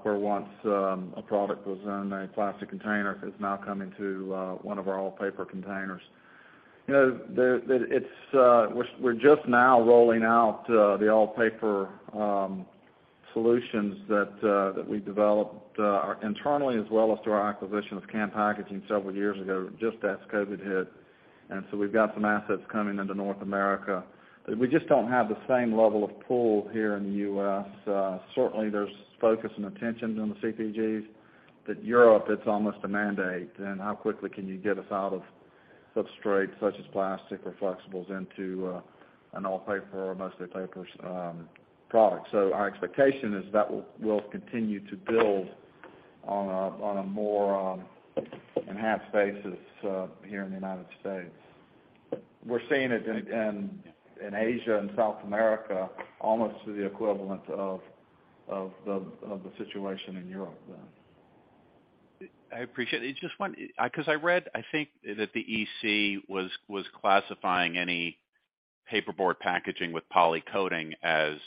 where once a product was in a plastic container is now coming to one of our all paper containers. You know, it's, we're just now rolling out the all paper solutions that we developed internally as well as through our acquisition of Can Paack several years ago, just as COVID hit. We've got some assets coming into North America. We just don't have the same level of pull here in the U.S. Certainly there's focus and attention on the CPGs. Europe, it's almost a mandate, and how quickly can you get us out of substrate such as plastic or flexibles into an all paper or mostly paper product. Our expectation is that will continue to build on a more enhanced basis here in the United States. We're seeing it in Asia and South America, almost to the equivalent of the situation in Europe. I appreciate it. Just 'cause I read, I think, that the EC was classifying any paperboard packaging with polycoating as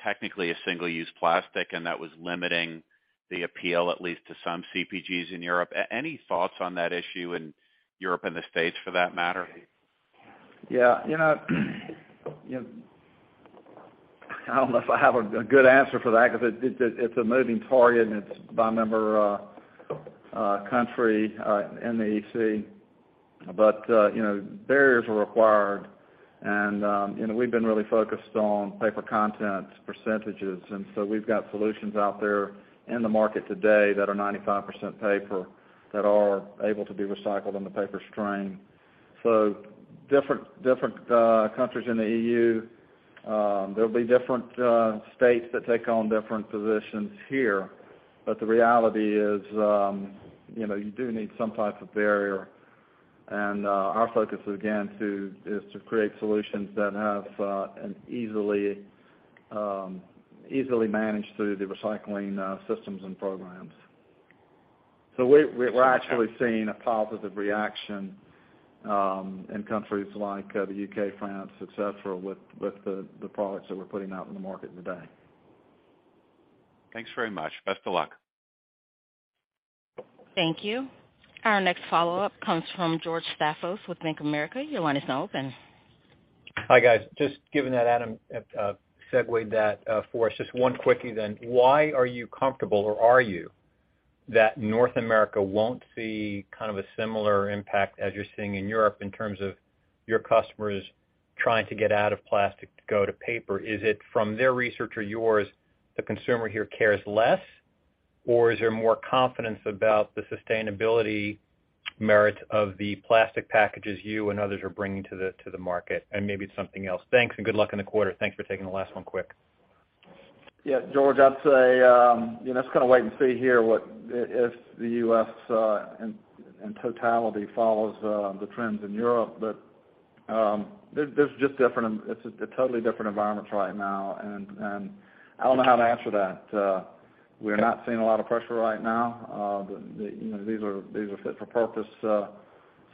technically a single-use plastic, and that was limiting the appeal, at least to some CPGs in Europe. Any thoughts on that issue in Europe and the States for that matter? Yeah. You know, I don't know if I have a good answer for that because it's a moving target and it's by member country in the EC. You know, barriers are required, and, you know, we've been really focused on paper content percentages, and so we've got solutions out there in the market today that are 95% paper that are able to be recycled in the paper stream. Different countries in the EU, there'll be different states that take on different positions here. The reality is, you know, you do need some type of barrier. Our focus is, again, to create solutions that have an easily managed through the recycling systems and programs. We Okay. We're actually seeing a positive reaction, in countries like, the U.K., France, et cetera, with the products that we're putting out in the market today. Thanks very much. Best of luck. Thank you. Our next follow-up comes from George Stathos with Bank of America. Your line is now open. Hi, guys. Just given that Adam have segued that for us, just one quickie then. Why are you comfortable, or are you, that North America won't see kind of a similar impact as you're seeing in Europe in terms of your customers trying to get out of plastic to go to paper? Is it from their research or yours, the consumer here cares less? Is there more confidence about the sustainability merits of the plastic packages you and others are bringing to the, to the market? Maybe it's something else. Thanks, and good luck in the quarter. Thanks for taking the last one quick. Yeah, George, I'd say, you know, it's kinda wait and see here if the U.S. in totality follows the trends in Europe. They're just different, it's a totally different environments right now, and I don't know how to answer that. We're not seeing a lot of pressure right now, but you know, these are fit for purpose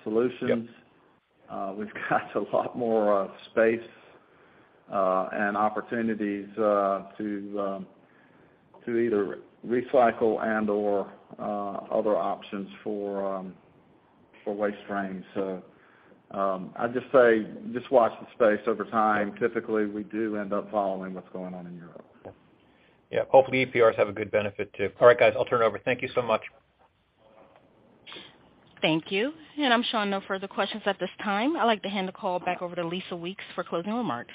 solutions. Yep. We've got a lot more, space, and opportunities, to either recycle and/or, other options for waste streams. I'd just say, just watch the space over time. Typically, we do end up following what's going on in Europe. Yeah. Hopefully, EPRs have a good benefit too. All right, guys, I'll turn it over. Thank you so much. Thank you. I'm showing no further questions at this time. I'd like to hand the call back over to Lisa Weeks for closing remarks.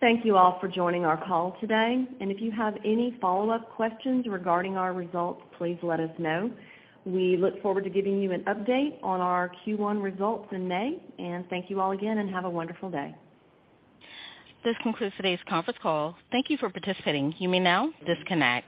Thank you all for joining our call today. If you have any follow-up questions regarding our results, please let us know. We look forward to giving you an update on our Q1 results in May. Thank you all again, and have a wonderful day. This concludes today's conference call. Thank you for participating. You may now disconnect.